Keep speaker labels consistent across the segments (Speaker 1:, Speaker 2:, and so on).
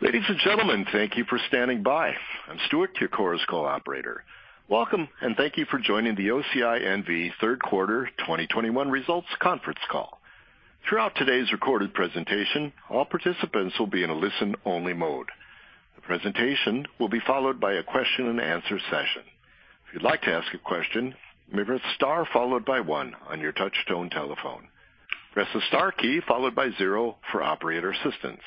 Speaker 1: Ladies and gentlemen, thank you for standing by. I'm Stuart, your Chorus Call operator. Welcome, and thank you for joining the OCI N.V. third quarter 2021 results conference call. Throughout today's recorded presentation, all participants will be in a listen-only mode. The presentation will be followed by a question-and-answer session. If you'd like to ask a question, remember star followed by one on your touch-tone telephone. Press the star key followed by zero for operator assistance.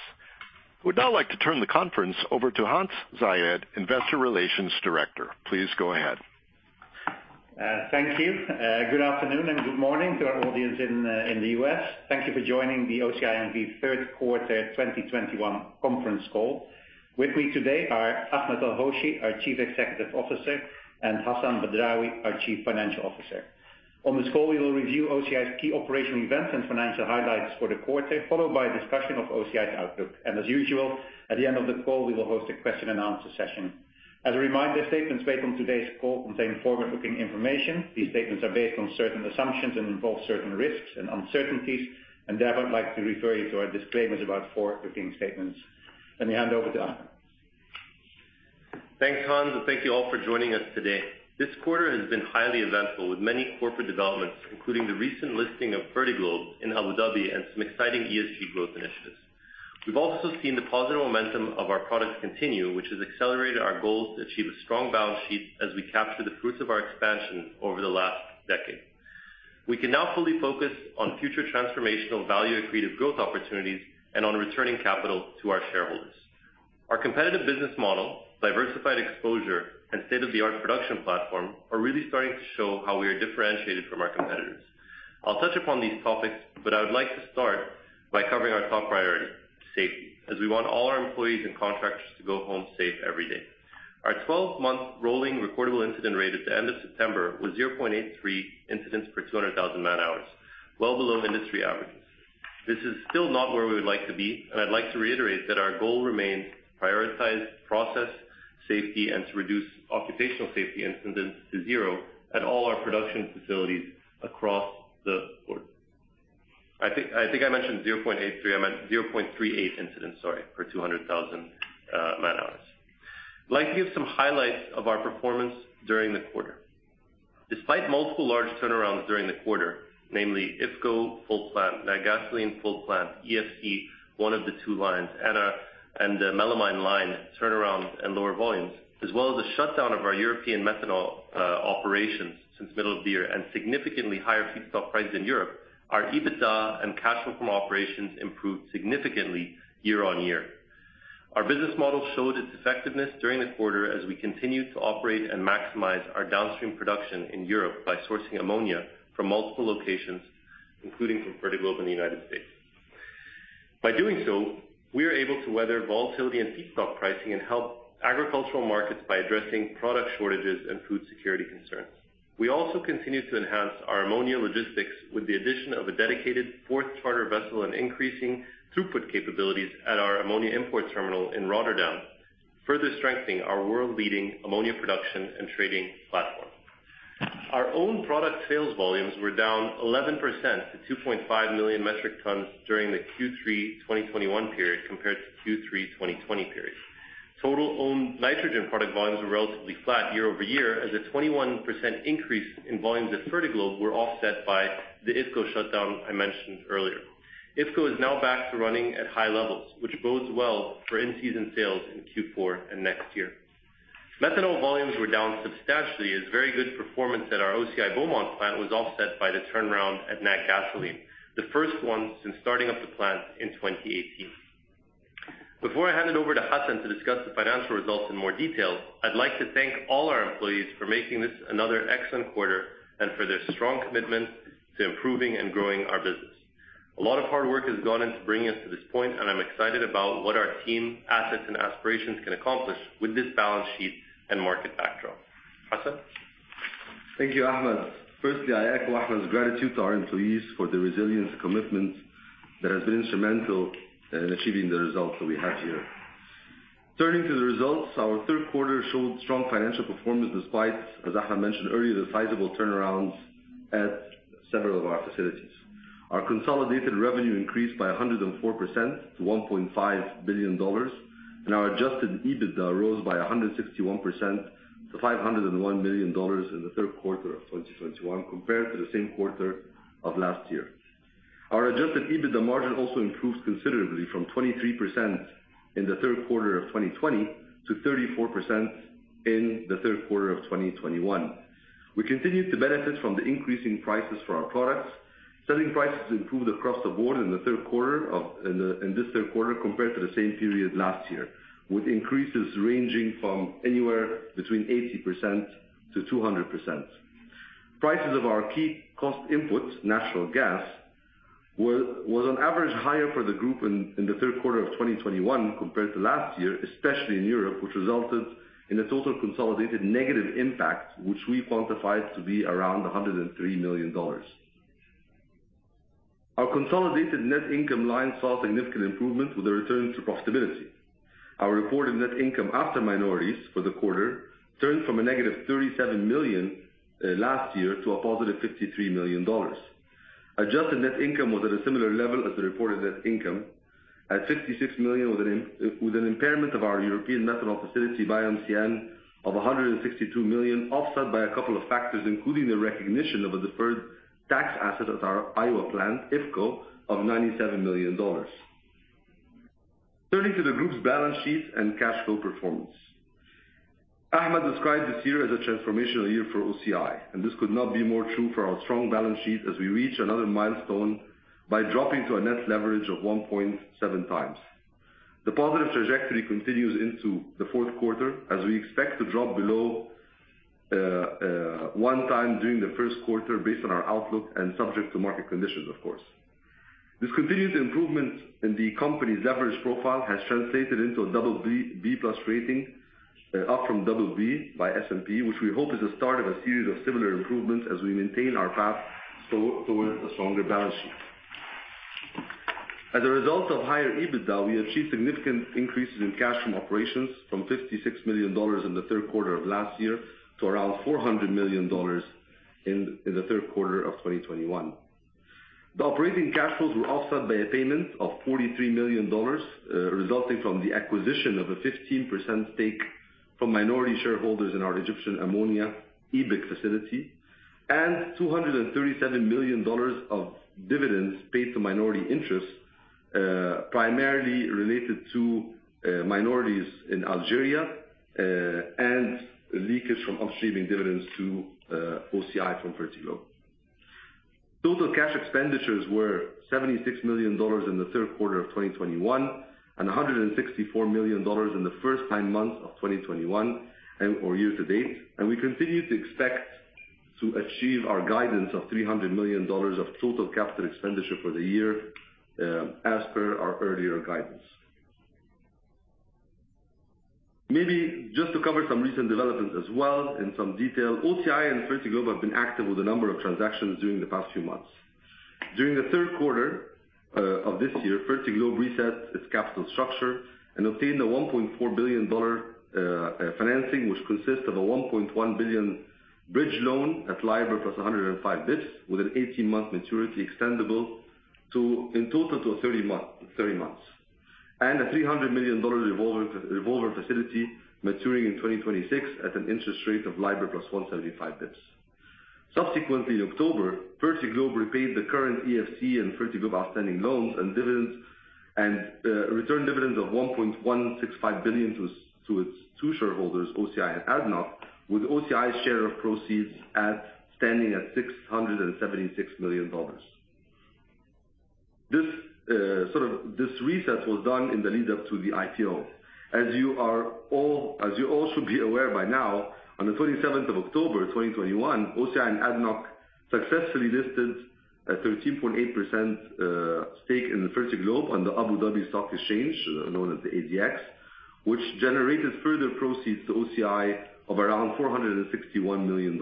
Speaker 1: I would now like to turn the conference over to Hans Zayed, Investor Relations Director. Please go ahead.
Speaker 2: Thank you. Good afternoon and good morning to our audience in the U.S. Thank you for joining the OCI N.V. third quarter 2021 conference call. With me today are Ahmed El-Hoshy, our Chief Executive Officer, and Hassan Badrawi, our Chief Financial Officer. On this call, we will review OCI's key operational events and financial highlights for the quarter, followed by a discussion of OCI's outlook. As usual, at the end of the call, we will host a question-and-answer session. As a reminder, statements made on today's call contain forward-looking information. These statements are based on certain assumptions and involve certain risks and uncertainties, and therefore, I'd like to refer you to our disclaimer about forward-looking statements. Let me hand over to Ahmed.
Speaker 3: Thanks, Hans, and thank you all for joining us today. This quarter has been highly eventful with many corporate developments, including the recent listing of Fertiglobe in Abu Dhabi and some exciting ESG growth initiatives. We've also seen the positive momentum of our products continue, which has accelerated our goals to achieve a strong balance sheet as we capture the fruits of our expansion over the last decade. We can now fully focus on future transformational value-accretive growth opportunities and on returning capital to our shareholders. Our competitive business model, diversified exposure, and state-of-the-art production platform are really starting to show how we are differentiated from our competitors. I'll touch upon these topics, but I would like to start by covering our top priority, safety, as we want all our employees and contractors to go home safe every day. Our 12-month rolling recordable incident rate at the end of September was 0.83 incidents per 200,000 man-hours, well below industry averages. This is still not where we would like to be, and I'd like to reiterate that our goal remains to prioritize process safety and to reduce occupational safety incidents to zero at all our production facilities across the board. I think I mentioned 0.83. I meant 0.38 incidents, sorry, per 200,000 man-hours. I'd like to give some highlights of our performance during the quarter. Despite multiple large turnarounds during the quarter, namely IFCo full plant, Natgasoline full plant, ESE, one of the two lines, ammonia and the melamine line turnarounds and lower volumes, as well as the shutdown of our European methanol operations since middle of the year and significantly higher feedstock price in Europe, our EBITDA and cash flow from operations improved significantly year-over-year. Our business model showed its effectiveness during the quarter as we continued to operate and maximize our downstream production in Europe by sourcing ammonia from multiple locations, including from Fertiglobe and the United States. By doing so, we are able to weather volatility and feedstock pricing and help agricultural markets by addressing product shortages and food security concerns. We also continue to enhance our ammonia logistics with the addition of a dedicated fourth charter vessel and increasing throughput capabilities at our ammonia import terminal in Rotterdam, further strengthening our world-leading ammonia production and trading platform. Our own product sales volumes were down 11% to 2.5 million metric tons during the Q3 2021 period compared to Q3 2020 period. Total owned nitrogen product volumes were relatively flat year-over-year as a 21% increase in volumes at Fertiglobe were offset by the IFCo shutdown I mentioned earlier. IFCo is now back to running at high levels, which bodes well for in-season sales in Q4 and next year. Methanol volumes were down substantially as very good performance at our OCI Beaumont plant was offset by the turnaround at Natgasoline, the first one since starting up the plant in 2018. Before I hand it over to Hassan to discuss the financial results in more detail, I'd like to thank all our employees for making this another excellent quarter and for their strong commitment to improving and growing our business. A lot of hard work has gone into bringing us to this point, and I'm excited about what our team, assets, and aspirations can accomplish with this balance sheet and market backdrop. Hassan?
Speaker 4: Thank you, Ahmed. Firstly, I echo Ahmed's gratitude to our employees for the resilience and commitment that has been instrumental in achieving the results that we have here. Turning to the results, our third quarter showed strong financial performance despite, as Ahmed mentioned earlier, the sizable turnarounds at several of our facilities. Our consolidated revenue increased by 104% to $1.5 billion, and our adjusted EBITDA rose by 161% to $501 million in the third quarter of 2021 compared to the same quarter of last year. Our adjusted EBITDA margin also improved considerably from 23% in the third quarter of 2020 to 34% in the third quarter of 2021. We continued to benefit from the increasing prices for our products. Selling prices improved across the board in the third quarter of, in this third quarter compared to the same period last year, with increases ranging from anywhere between 80%-200%. Prices of our key cost input, natural gas, was on average higher for the group in the third quarter of 2021 compared to last year, especially in Europe, which resulted in a total consolidated negative impact, which we quantified to be around $103 million. Our consolidated net income line saw significant improvement with a return to profitability. Our reported net income after minorities for the quarter turned from -$37 million last year to $53 million. Adjusted net income was at a similar level as the reported net income at $66 million with an impairment of our European methanol facility, BioMCN, of $162 million, offset by a couple of factors, including the recognition of a deferred tax asset at our Iowa plant, IFCo, of $97 million. Turning to the group's balance sheet and cash flow performance. Ahmed described this year as a transformational year for OCI, and this could not be more true for our strong balance sheet as we reach another milestone by dropping to a net leverage of 1.7x. The positive trajectory continues into the fourth quarter as we expect to drop below one time during the first quarter based on our outlook and subject to market conditions of course. This continued improvement in the company's leverage profile has translated into a BB+ rating up from BB by S&P, which we hope is the start of a series of similar improvements as we maintain our path towards a stronger balance sheet. As a result of higher EBITDA, we achieved significant increases in cash from operations from $56 million in the third quarter of last year to around $400 million in the third quarter of 2021. The operating cash flows were offset by a payment of $43 million resulting from the acquisition of a 15% stake from minority shareholders in our Egyptian ammonia EBIC facility, and $237 million of dividends paid to minority interests primarily related to minorities in Algeria and leakage from upstreaming dividends to OCI from Fertiglobe. Total cash expenditures were $76 million in the third quarter of 2021, and $164 million in the first nine months of 2021 or year to date. We continue to expect to achieve our guidance of $300 million of total capital expenditure for the year, as per our earlier guidance. Maybe just to cover some recent developments as well in some detail. OCI and Fertiglobe have been active with a number of transactions during the past few months. During the third quarter of this year, Fertiglobe reset its capital structure and obtained a $1.4 billion financing, which consists of a $1.1 billion bridge loan at LIBOR +105 basis points with an 18-month maturity extendable to, in total, 30 months. A $300 million revolver facility maturing in 2026 at an interest rate of LIBOR +175 bps. Subsequently in October, Fertiglobe repaid the current EFC and Fertiglobe outstanding loans and dividends and returned dividends of $1.165 billion to its two shareholders, OCI and ADNOC, with OCI's share of proceeds standing at $676 million. This sort of this reset was done in the lead up to the IPO. As you all should be aware by now, on the 27th of October 2021, OCI and ADNOC successfully listed a 13.8% stake in Fertiglobe on the Abu Dhabi Securities Exchange, known as the ADX, which generated further proceeds to OCI of around $461 million.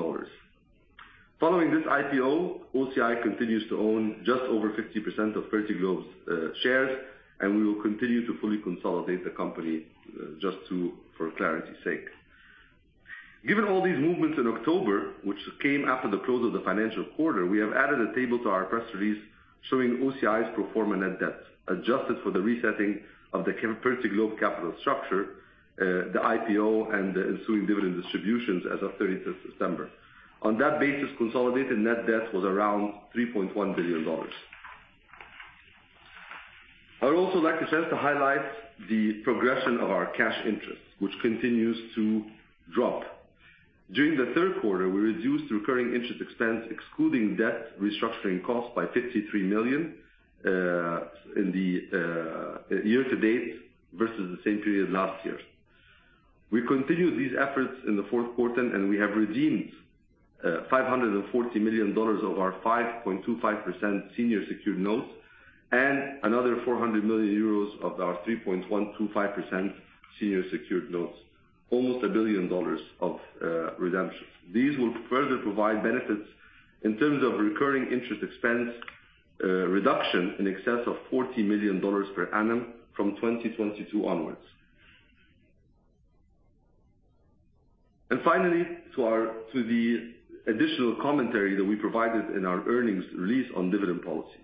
Speaker 4: Following this IPO, OCI continues to own just over 50% of Fertiglobe's shares, and we will continue to fully consolidate the company, just for clarity's sake. Given all these movements in October, which came after the close of the financial quarter, we have added a table to our press release showing OCI's pro forma net debt, adjusted for the resetting of the Fertiglobe capital structure, the IPO and the ensuing dividend distributions as of 30th of December. On that basis, consolidated net debt was around $3.1 billion. I would also like a chance to highlight the progression of our cash interest, which continues to drop. During the third quarter, we reduced recurring interest expense, excluding debt restructuring costs, by $53 million in the year to date versus the same period last year. We continued these efforts in the fourth quarter, and we have redeemed $540 million of our 5.25% Senior Secured Notes and another 400 million euros of our 3.125% Senior Secured Notes. Almost $1 billion of redemptions. These will further provide benefits in terms of recurring interest expense reduction in excess of $40 million per annum from 2022 onwards. Finally, to the additional commentary that we provided in our earnings release on dividend policy.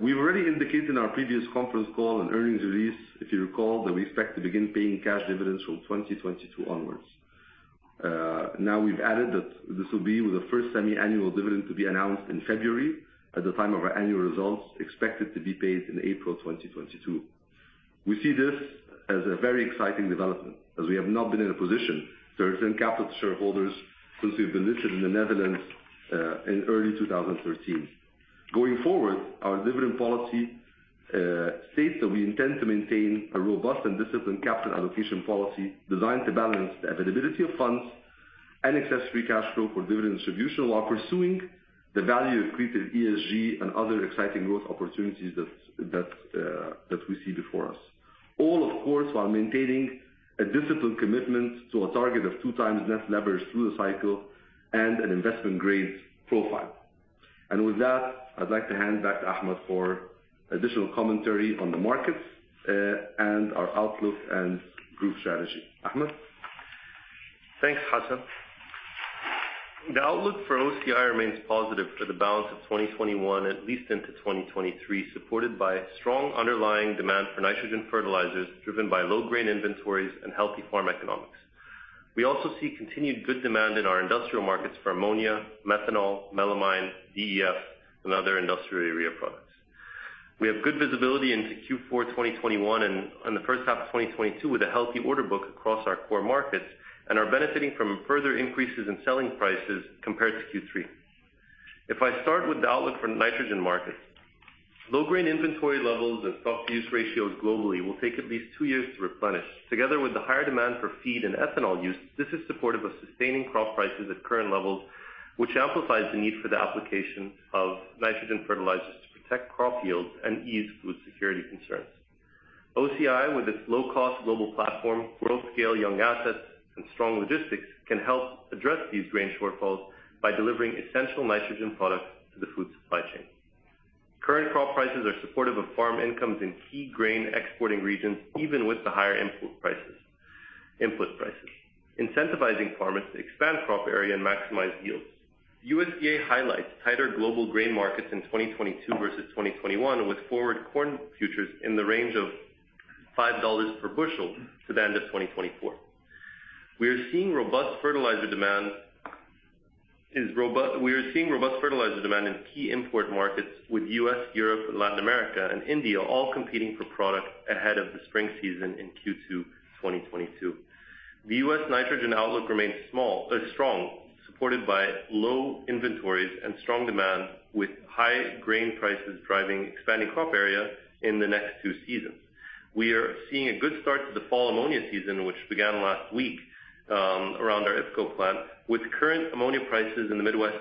Speaker 4: We've already indicated in our previous conference call and earnings release, if you recall, that we expect to begin paying cash dividends from 2022 onwards. Now we've added that this will be with the first semi-annual dividend to be announced in February at the time of our annual results, expected to be paid in April 2022. We see this as a very exciting development as we have not been in a position to return capital to shareholders since we've been listed in the Netherlands in early 2013. Going forward, our dividend policy states that we intend to maintain a robust and disciplined capital allocation policy designed to balance the availability of funds and excess free cash flow for dividend distribution while pursuing the value accretive ESG and other exciting growth opportunities that we see before us. Of course, while maintaining a disciplined commitment to a target of 2x net leverage through the cycle and an investment grade profile. With that, I'd like to hand back to Ahmed for additional commentary on the markets, and our outlook and group strategy. Ahmed?
Speaker 3: Thanks, Hassan. The outlook for OCI remains positive for the balance of 2021, at least into 2023, supported by strong underlying demand for nitrogen fertilizers driven by low grain inventories and healthy farm economics. We also see continued good demand in our industrial markets for ammonia, methanol, melamine, DEF, and other industrial area products. We have good visibility into Q4 2021 and on the first half of 2022 with a healthy order book across our core markets and are benefiting from further increases in selling prices compared to Q3. If I start with the outlook for nitrogen markets, low grain inventory levels and stocks-to-use ratios globally will take at least 2 years to replenish. Together with the higher demand for feed and ethanol use, this is supportive of sustaining crop prices at current levels, which amplifies the need for the application of nitrogen fertilizers to protect crop yields and ease food security concerns. OCI, with its low-cost global platform, world-scale young assets and strong logistics, can help address these grain shortfalls by delivering essential nitrogen products to the food supply chain. Current crop prices are supportive of farm incomes in key grain exporting regions, even with the higher input prices, incentivizing farmers to expand crop area and maximize yields. USDA highlights tighter global grain markets in 2022 versus 2021, with forward corn futures in the range of $5 per bushel to the end of 2024. We are seeing robust fertilizer demand in key import markets with U.S., Europe, Latin America and India all competing for product ahead of the spring season in Q2 2022. The U.S. nitrogen outlook remains solid, strong, supported by low inventories and strong demand, with high grain prices driving expanding crop area in the next two seasons. We are seeing a good start to the fall ammonia season, which began last week, around our IFCo plant, with current ammonia prices in the Midwest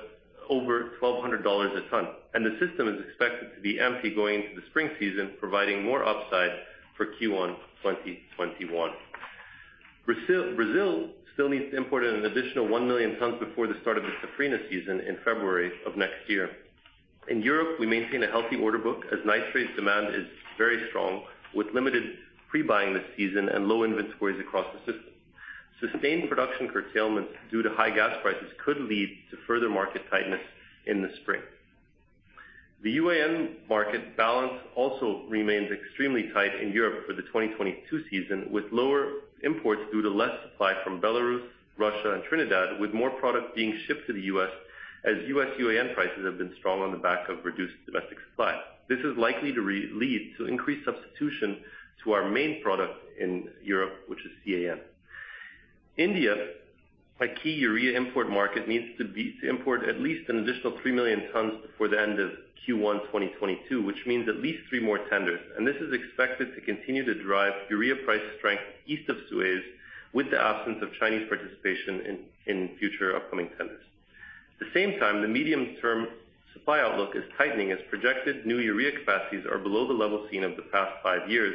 Speaker 3: over $1,200 a ton, and the system is expected to be empty going into the spring season, providing more upside for Q1 2021. Brazil still needs to import an additional 1 million tons before the start of the Safrinha season in February of next year. In Europe, we maintain a healthy order book as nitrates demand is very strong, with limited pre-buying this season and low inventories across the system. Sustained production curtailments due to high gas prices could lead to further market tightness in the spring. The UAN market balance also remains extremely tight in Europe for the 2022 season, with lower imports due to less supply from Belarus, Russia and Trinidad, with more product being shipped to the U.S. as U.S. UAN prices have been strong on the back of reduced domestic supply. This is likely to lead to increased substitution to our main product in Europe, which is CAN. India, a key urea import market, needs to import at least an additional 3 million tons before the end of Q1 2022, which means at least three more tenders. This is expected to continue to drive urea price strength east of Suez with the absence of Chinese participation in future upcoming tenders. At the same time, the medium-term supply outlook is tightening as projected new urea capacities are below the level seen over the past 5 years,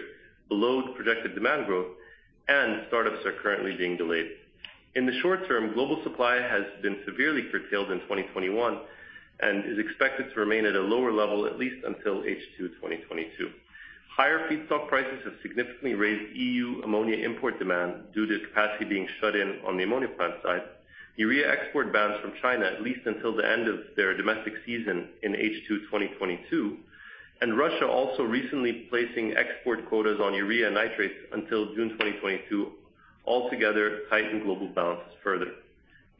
Speaker 3: below projected demand growth and startups are currently being delayed. In the short term, global supply has been severely curtailed in 2021 and is expected to remain at a lower level at least until H2 2022. Higher feedstock prices have significantly raised E.U. ammonia import demand due to capacity being shut in on the ammonia plant side. Urea export bans from China at least until the end of their domestic season in H2 2022, and Russia also recently placing export quotas on urea nitrates until June 2022 altogether tighten global balances further.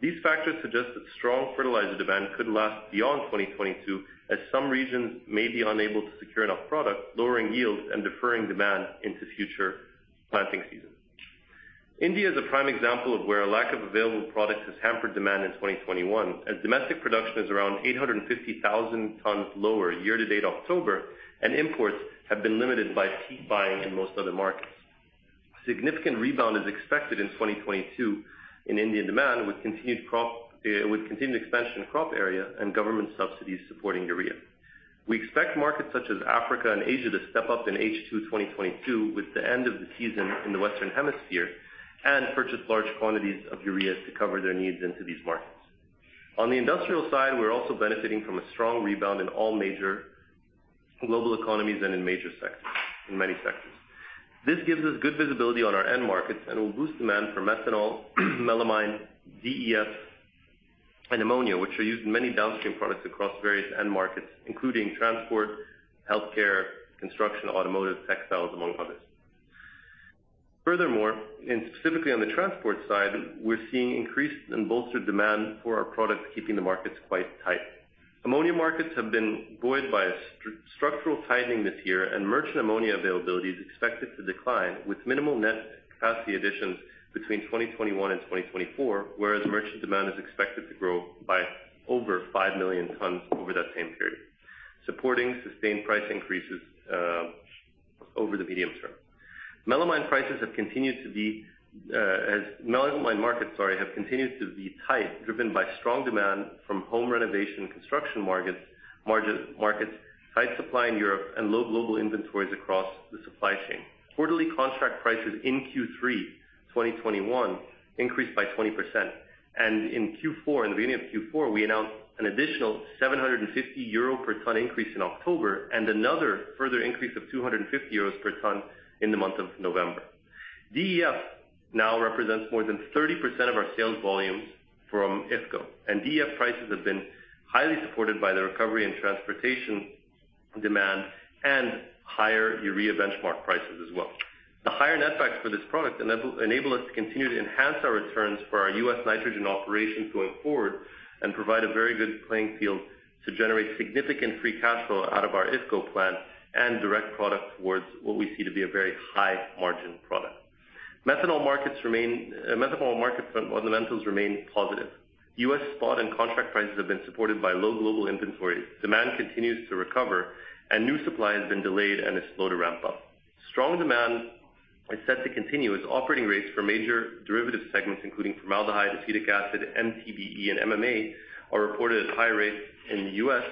Speaker 3: These factors suggest that strong fertilizer demand could last beyond 2022, as some regions may be unable to secure enough product, lowering yields and deferring demand into future planting seasons. India is a prime example of where a lack of available product has hampered demand in 2021, as domestic production is around 850,000 tons lower year-to-date October, and imports have been limited by peak buying in most other markets. Significant rebound is expected in 2022 in Indian demand, with continued expansion in crop area and government subsidies supporting urea. We expect markets such as Africa and Asia to step up in H2 2022 with the end of the season in the Western Hemisphere, and purchase large quantities of urea to cover their needs into these markets. On the industrial side, we're also benefiting from a strong rebound in all major global economies and in many sectors. This gives us good visibility on our end markets and will boost demand for methanol, melamine, DEF, and ammonia, which are used in many downstream products across various end markets including transport, healthcare, construction, automotive, textiles, among others. Furthermore, and specifically on the transport side, we're seeing increased and bolstered demand for our products, keeping the markets quite tight. Ammonia markets have been buoyed by a structural tightening this year, and merchant ammonia availability is expected to decline with minimal net capacity additions between 2021 and 2024, whereas merchant demand is expected to grow by over 5 million tons over that same period, supporting sustained price increases over the medium term. Melamine markets, sorry, have continued to be tight, driven by strong demand from home renovation and construction markets, melamine markets, tight supply in Europe and low global inventories across the supply chain. Quarterly contract prices in Q3 2021 increased by 20%. In Q4, in the beginning of Q4, we announced an additional 750 euro per ton increase in October and another further increase of 250 euros per ton in the month of November. DEF now represents more than 30% of our sales volumes from IFCo, and DEF prices have been highly supported by the recovery in transportation demand and higher urea benchmark prices as well. The higher net backs for this product enable us to continue to enhance our returns for our U.S. nitrogen operations going forward and provide a very good playing field to generate significant free cash flow out of our IFCo plant and direct product towards what we see to be a very high margin product. Methanol market fundamentals remain positive. U.S. spot and contract prices have been supported by low global inventories. Demand continues to recover and new supply has been delayed and is slow to ramp up. Strong demand is set to continue as operating rates for major derivative segments, including formaldehyde, acetic acid, MTBE, and MMA, are reported at high rates in the U.S.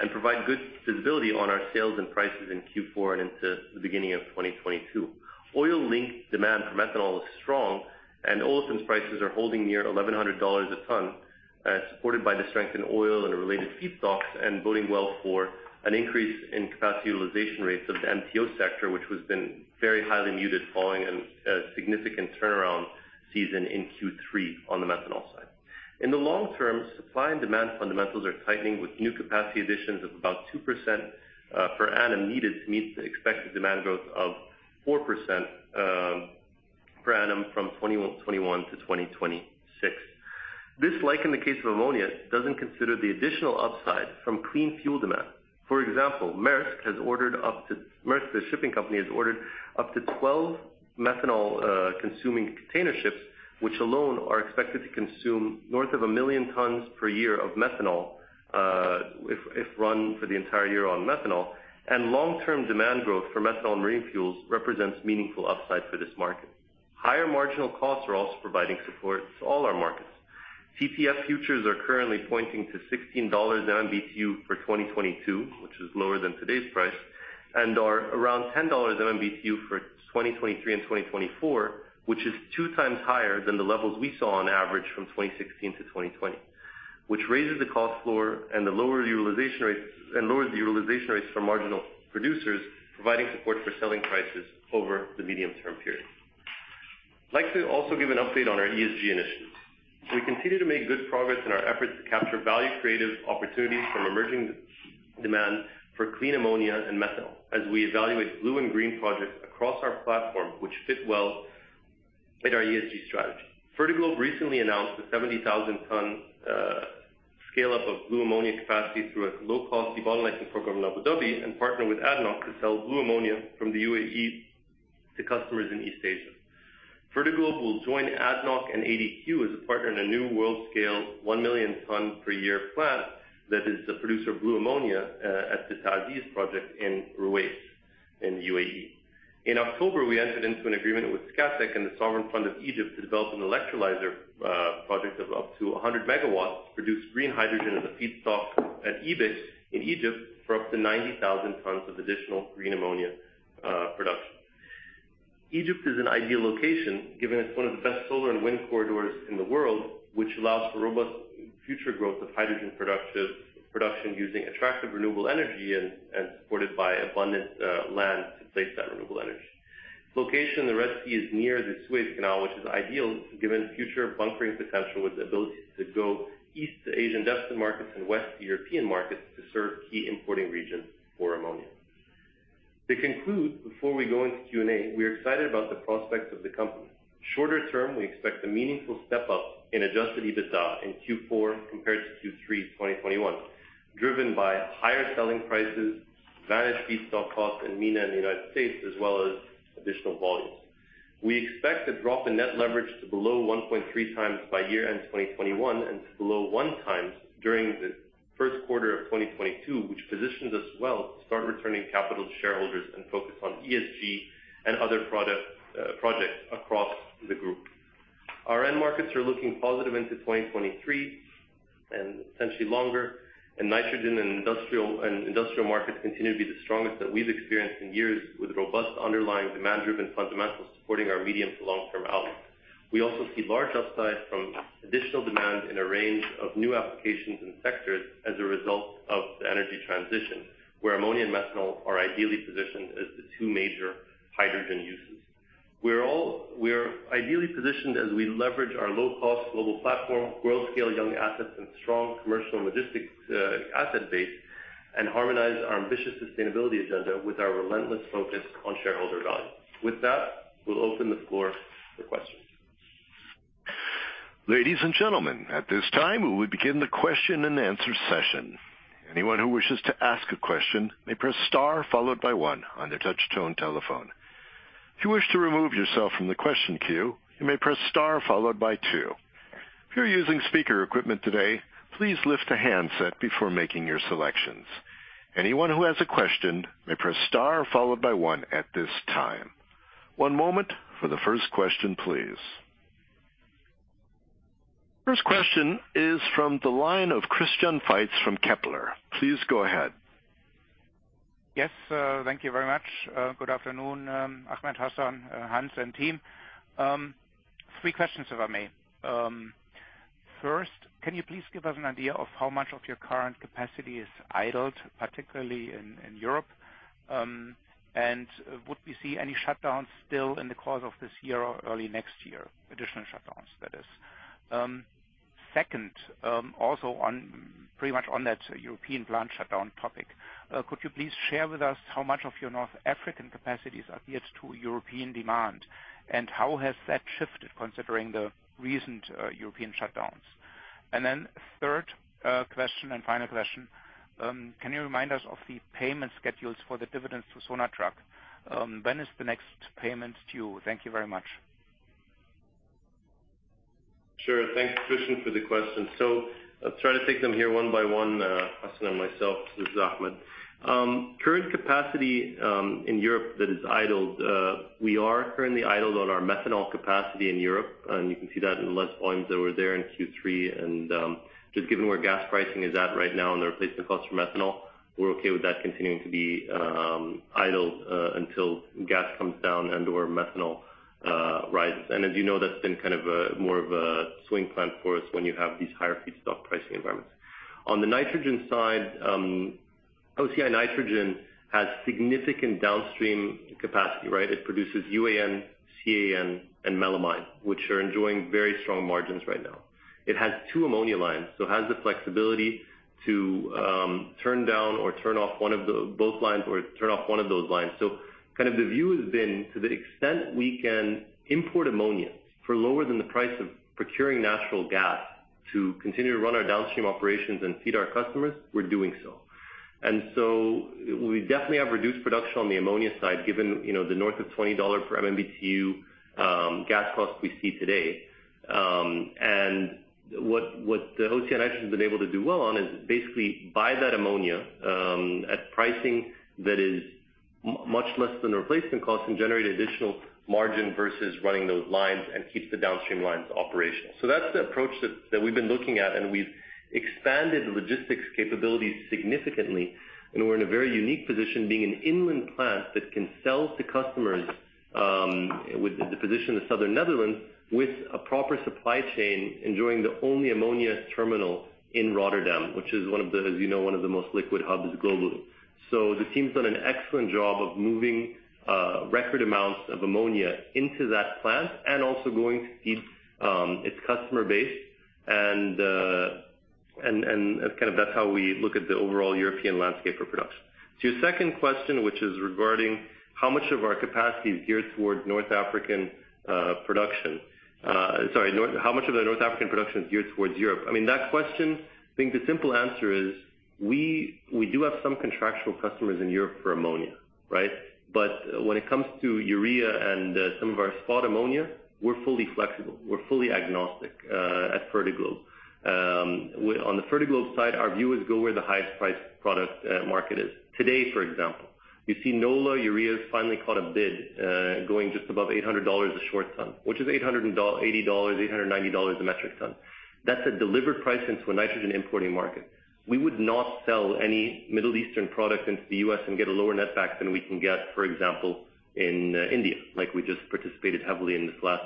Speaker 3: and provide good visibility on our sales and prices in Q4 and into the beginning of 2022. Oil-linked demand for methanol is strong and olefins prices are holding near $1,100 a ton, supported by the strength in oil and related feedstocks and boding well for an increase in capacity utilization rates of the MTO sector, which has been very highly muted following a significant turnaround season in Q3 on the methanol side. In the long term, supply and demand fundamentals are tightening, with new capacity additions of about 2% per annum needed to meet the expected demand growth of 4% per annum from 2021 to 2026. This, like in the case of ammonia, doesn't consider the additional upside from clean fuel demand. For example, Maersk has ordered up to, Maersk, the shipping company, has ordered up to 12 methanol-consuming container ships, which alone are expected to consume north of 1 million tons per year of methanol, if run for the entire year on methanol. Long-term demand growth for methanol marine fuels represents meaningful upside for this market. Higher marginal costs are also providing support to all our markets. TTF futures are currently pointing to $16 MMBtu for 2022, which is lower than today's price, and are around $10 MMBtu for 2023 and 2024, which is 2x higher than the levels we saw on average from 2016-2020, which raises the cost floor and lowers the utilization rates for marginal producers, providing support for selling prices over the medium-term period. I'd like to also give an update on our ESG initiatives. We continue to make good progress in our efforts to capture value-creative opportunities from emerging demand for clean ammonia and methanol as we evaluate blue and green projects across our platform which fit well with our ESG strategy. Fertiglobe recently announced a 70,000-ton scale-up of blue ammonia capacity through a low-cost debottlenecking program in Abu Dhabi and partner with ADNOC to sell blue ammonia from the U.A.E. to customers in East Asia. Fertiglobe will join ADNOC and ADQ as a partner in a new world-scale 1 million-ton-per-year plant that is a producer of blue ammonia at the TA'ZIZ project in Ruwais in the U.A.E. In October, we entered into an agreement with Scatec and The Sovereign Fund of Egypt to develop an electrolyzer project of up to 100 MW to produce green hydrogen as a feedstock at EBIC in Egypt for up to 90,000 tons of additional green ammonia production. Egypt is an ideal location, giving it one of the best solar and wind corridors in the world, which allows for robust future growth of hydrogen production using attractive renewable energy and supported by abundant land to place that renewable energy. Its location rests near the Suez Canal, which is ideal given future bunkering potential with the ability to go east to Asian destination markets and west to European markets to serve key importing regions for ammonia. To conclude, before we go into Q&A, we are excited about the prospects of the company. Shorter term, we expect a meaningful step-up in adjusted EBITDA in Q4 compared to Q3 2021, driven by higher selling prices, managed feedstock costs in MENA and the United States, as well as additional volumes. We expect to drop the net leverage to below 1.3x by year-end 2021 and to below 1x during the first quarter of 2022, which positions us well to start returning capital to shareholders and focus on ESG and other product projects across the group. Our end markets are looking positive into 2023 and potentially longer, and nitrogen and industrial markets continue to be the strongest that we've experienced in years, with robust underlying demand-driven fundamentals supporting our medium to long-term outlook. We also see large upside from additional demand in a range of new applications and sectors as a result of the energy transition, where ammonia and methanol are ideally positioned as the two major hydrogen uses. We're ideally positioned as we leverage our low-cost global platform, world-scale young assets, and strong commercial and logistics asset base, and harmonize our ambitious sustainability agenda with our relentless focus on shareholder value. With that, we'll open the floor for questions.
Speaker 1: Ladies and gentlemen, at this time, we will begin the question-and-answer session. Anyone who wishes to ask a question may press star followed by one on their touch-tone telephone. If you wish to remove yourself from the question queue, you may press star followed by two. If you're using speaker equipment today, please lift a handset before making your selections. Anyone who has a question may press star followed by one at this time. One moment for the first question, please. First question is from the line of Christian Faitz from Kepler. Please go ahead.
Speaker 5: Yes, thank you very much. Good afternoon, Ahmed, Hassan, Hans, and team. Three questions, if I may. First, can you please give us an idea of how much of your current capacity is idled, particularly in Europe? Would we see any shutdowns still in the course of this year or early next year? Additional shutdowns, that is. Second, also on pretty much on that European plant shutdown topic, could you please share with us how much of your North African capacity is geared to European demand, and how has that shifted considering the recent European shutdowns? Third, question and final question, can you remind us of the payment schedules for the dividends to Sonatrach? When is the next payment due? Thank you very much.
Speaker 3: Sure. Thanks, Christian, for the question. I'll try to take them here one by one, Hassan and myself. This is Ahmed. Current capacity in Europe that is idled, we are currently idled on our methanol capacity in Europe, and you can see that in the lower volumes that were there in Q3. Just given where gas pricing is at right now and the replacement cost for methanol, we're okay with that continuing to be idled until gas comes down and/or methanol rises. As you know, that's been kind of more of a swing plant for us when you have these higher feedstock pricing environments. On the nitrogen side, OCI Nitrogen has significant downstream capacity, right? It produces UAN, CAN, and melamine, which are enjoying very strong margins right now. It has two ammonia lines, so it has the flexibility to turn down or turn off one of both lines or turn off one of those lines. Kind of the view has been to the extent we can import ammonia for lower than the price of procuring natural gas to continue to run our downstream operations and feed our customers, we're doing so. We definitely have reduced production on the ammonia side, given, you know, the north of $20 per MMBtu gas costs we see today. What the OCI Nitrogen's been able to do well on is basically buy that ammonia at pricing that is much less than the replacement cost and generate additional margin versus running those lines and keeps the downstream lines operational. That's the approach that we've been looking at, and we've expanded the logistics capabilities significantly. We're in a very unique position being an inland plant that can sell to customers with the position of southern Netherlands, with a proper supply chain, enjoying the only ammonia terminal in Rotterdam, which is one of the, as you know, one of the most liquid hubs globally. The team's done an excellent job of moving record amounts of ammonia into that plant and also going to feed its customer base. Kind of that's how we look at the overall European landscape for production. To your second question, which is regarding how much of the North African production is geared towards Europe? I mean, that question, I think the simple answer is we do have some contractual customers in Europe for ammonia, right? But when it comes to urea and some of our spot ammonia, we're fully flexible. We're fully agnostic at Fertiglobe. On the Fertiglobe side, our view is go where the highest priced product market is. Today, for example, you see NOLA Urea's finally caught a bid going just above $800 a short ton, which is $880-$890 a metric ton. That's a delivered price into a nitrogen importing market. We would not sell any Middle Eastern product into the U.S. and get a lower netback than we can get, for example, in India, like we just participated heavily in this last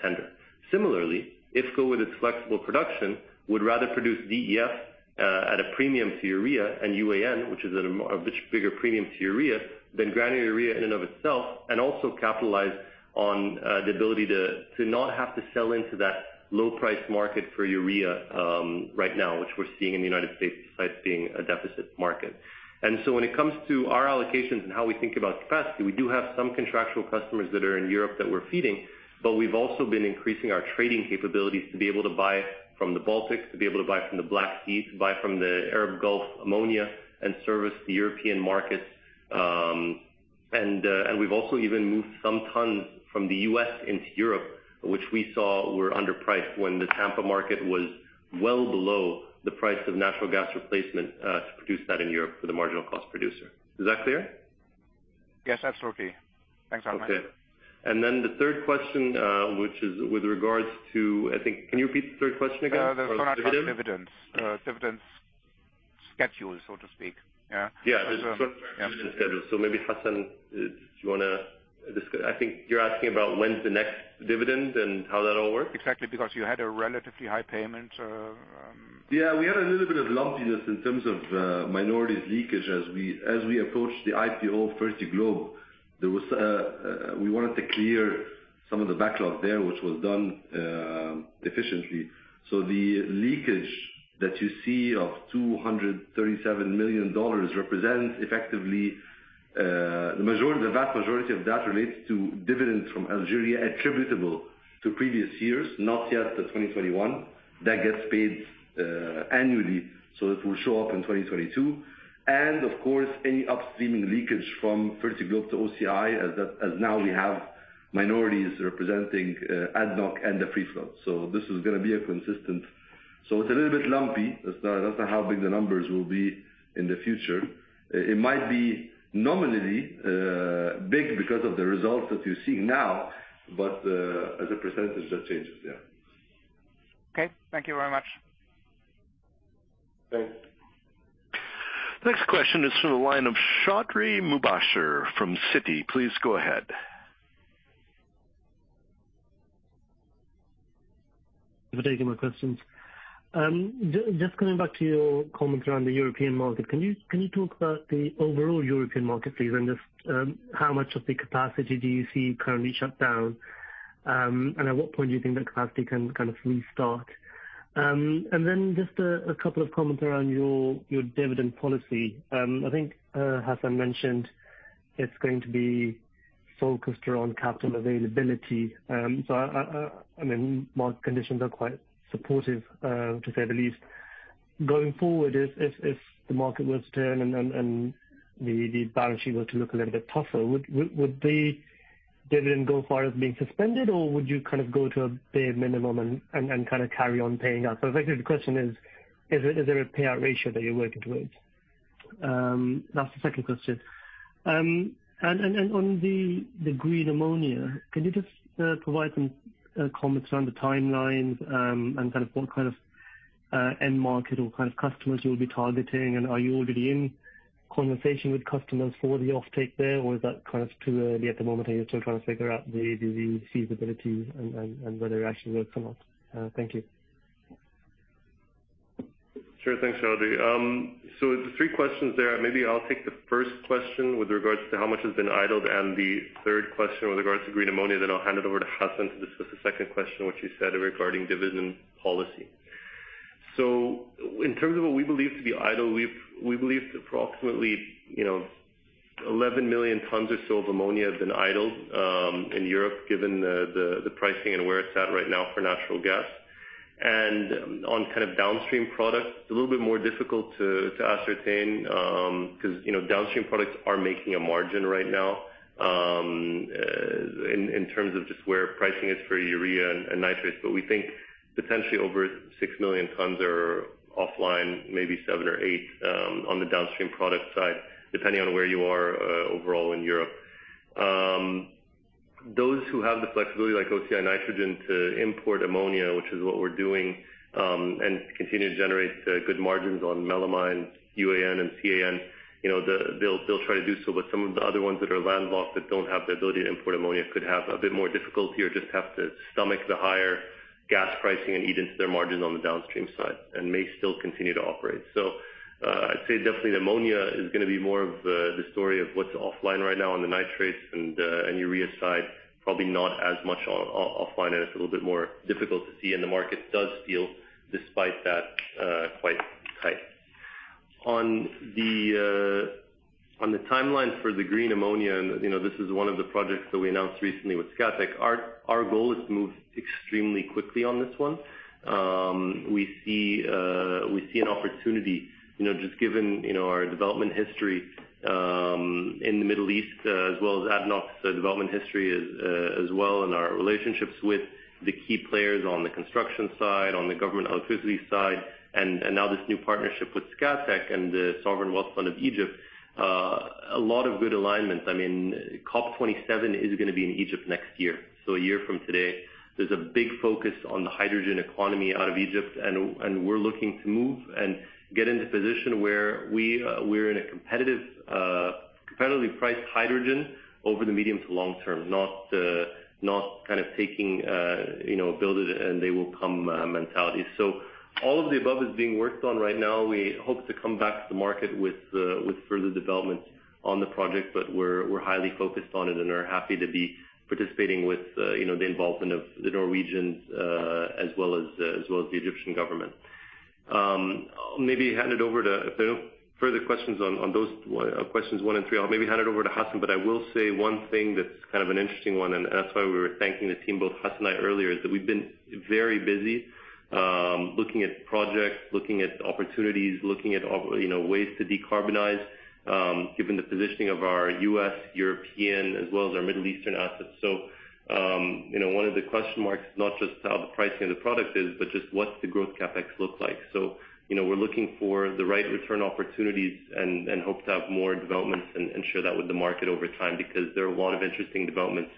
Speaker 3: tender. Similarly, IFCo, with its flexible production, would rather produce DEF at a premium to urea and UAN, which is at a much bigger premium to urea than granular urea in and of itself, and also capitalize on the ability to not have to sell into that low price market for urea right now, which we're seeing in the United States, besides being a deficit market. When it comes to our allocations and how we think about capacity, we do have some contractual customers that are in Europe that we're feeding, but we've also been increasing our trading capabilities to be able to buy from the Baltics, to be able to buy from the Black Sea, to buy from the Arab Gulf ammonia and service the European markets. We've also even moved some tons from the U.S. into Europe, which we saw were underpriced when the Tampa market was well below the price of natural gas replacement to produce that in Europe for the marginal cost producer. Is that clear?
Speaker 5: Yes, that's okay. Thanks, Ahmed.
Speaker 3: Okay. The third question, which is with regards to, I think. Can you repeat the third question again?
Speaker 5: The Sonatrach dividends.
Speaker 3: Oh, dividend.
Speaker 5: Dividends schedule, so to speak. Yeah.
Speaker 3: Yeah.
Speaker 5: There's, um-
Speaker 3: The Sonatrach dividend schedule. Maybe, Hassan, do you wanna discuss. I think you're asking about when's the next dividend and how that all works.
Speaker 5: Exactly. Because you had a relatively high payment.
Speaker 4: Yeah. We had a little bit of lumpiness in terms of, minority leakage as we approached the IPO of Fertiglobe. There was, we wanted to clear some of the backlog there, which was done, efficiently. The leakage that you see of $237 million represents effectively, the majority, the vast majority of that relates to dividends from Algeria attributable to previous years, not yet to 2021. That gets paid, annually, so it will show up in 2022. Of course, any upstreaming leakage from Fertiglobe to OCI as now we have minorities representing, ADNOC and the free float. This is gonna be a consistent. It's a little bit lumpy. That's not how big the numbers will be in the future. It might be nominally big because of the results that you're seeing now, but as a percentage, that changes. Yeah.
Speaker 5: Okay, thank you very much.
Speaker 3: Thanks.
Speaker 1: Next question is from the line of Mubasher Chaudhry from Citi. Please go ahead.
Speaker 6: Thank you for taking my questions. Just coming back to your comments around the European market, can you talk about the overall European market please, and just how much of the capacity do you see currently shut down? At what point do you think that capacity can kind of restart? Just a couple of comments around your dividend policy. I think Hassan mentioned it's going to be focused around capital availability. I mean, market conditions are quite supportive to say the least. Going forward, if the market were to turn and the balance sheet were to look a little bit tougher, would the dividend go as far as being suspended or would you kind of go to a bare minimum and kind of carry on paying out? So I guess the question is there a payout ratio that you're working towards? That's the second question. On the green ammonia, can you just provide some comments around the timelines and kind of what kind of end market or kind of customers you'll be targeting? Are you already in conversation with customers for the offtake there, or is that kind of too early at the moment, are you still trying to figure out the feasibility and whether it actually works or not? Thank you.
Speaker 3: Sure. Thanks, Chaudhry. The three questions there, maybe I'll take the first question with regards to how much has been idled, and the third question with regards to green ammonia, then I'll hand it over to Hassan to discuss the second question, which you said regarding dividend policy. In terms of what we believe to be idle, we believe approximately 11 million tons or so of ammonia has been idled in Europe, given the pricing and where it's at right now for natural gas. On kind of downstream products, a little bit more difficult to ascertain, because downstream products are making a margin right now in terms of just where pricing is for urea and nitrates. We think potentially over 6 million tons are offline, maybe 7 million tons or 8 million tons, on the downstream product side, depending on where you are, overall in Europe. Those who have the flexibility like OCI Nitrogen to import ammonia, which is what we're doing, and continue to generate good margins on melamine, UAN and CAN, you know, they'll try to do so. Some of the other ones that are landlocked that don't have the ability to import ammonia could have a bit more difficulty or just have to stomach the higher gas pricing and eat into their margins on the downstream side and may still continue to operate. I'd say definitely the ammonia is gonna be more of the story of what's offline right now on the nitrates and urea side, probably not as much offline, and it's a little bit more difficult to see, and the market does feel despite that quite tight. On the timeline for the green ammonia, you know, this is one of the projects that we announced recently with Scatec. Our goal is to move extremely quickly on this one. We see an opportunity, you know, just given, you know, our development history in the Middle East, as well as ADNOC's development history as well, and our relationships with the key players on the construction side, on the government authority side, and now this new partnership with Scatec and The Sovereign Fund of Egypt. A lot of good alignment. I mean, COP27 is gonna be in Egypt next year. So a year from today. There's a big focus on the hydrogen economy out of Egypt and we're looking to move and get into a position where we're in a competitively priced hydrogen over the medium to long term, not kind of taking, you know, build it and they will come mentality. All of the above is being worked on right now. We hope to come back to the market with further developments on the project, but we're highly focused on it and are happy to be participating with you know, the involvement of the Norwegians, as well as the Egyptian government. If there are no further questions on those questions one and three, I'll maybe hand it over to Hassan. I will say one thing that's kind of an interesting one, and that's why we were thanking the team, both Hassan and I earlier, is that we've been very busy looking at projects, looking at opportunities, you know, ways to decarbonize given the positioning of our U.S., European, as well as our Middle Eastern assets. You know, one of the question marks is not just how the pricing of the product is, but just what's the growth CapEx look like. You know, we're looking for the right return opportunities and hope to have more developments and share that with the market over time because there are a lot of interesting developments,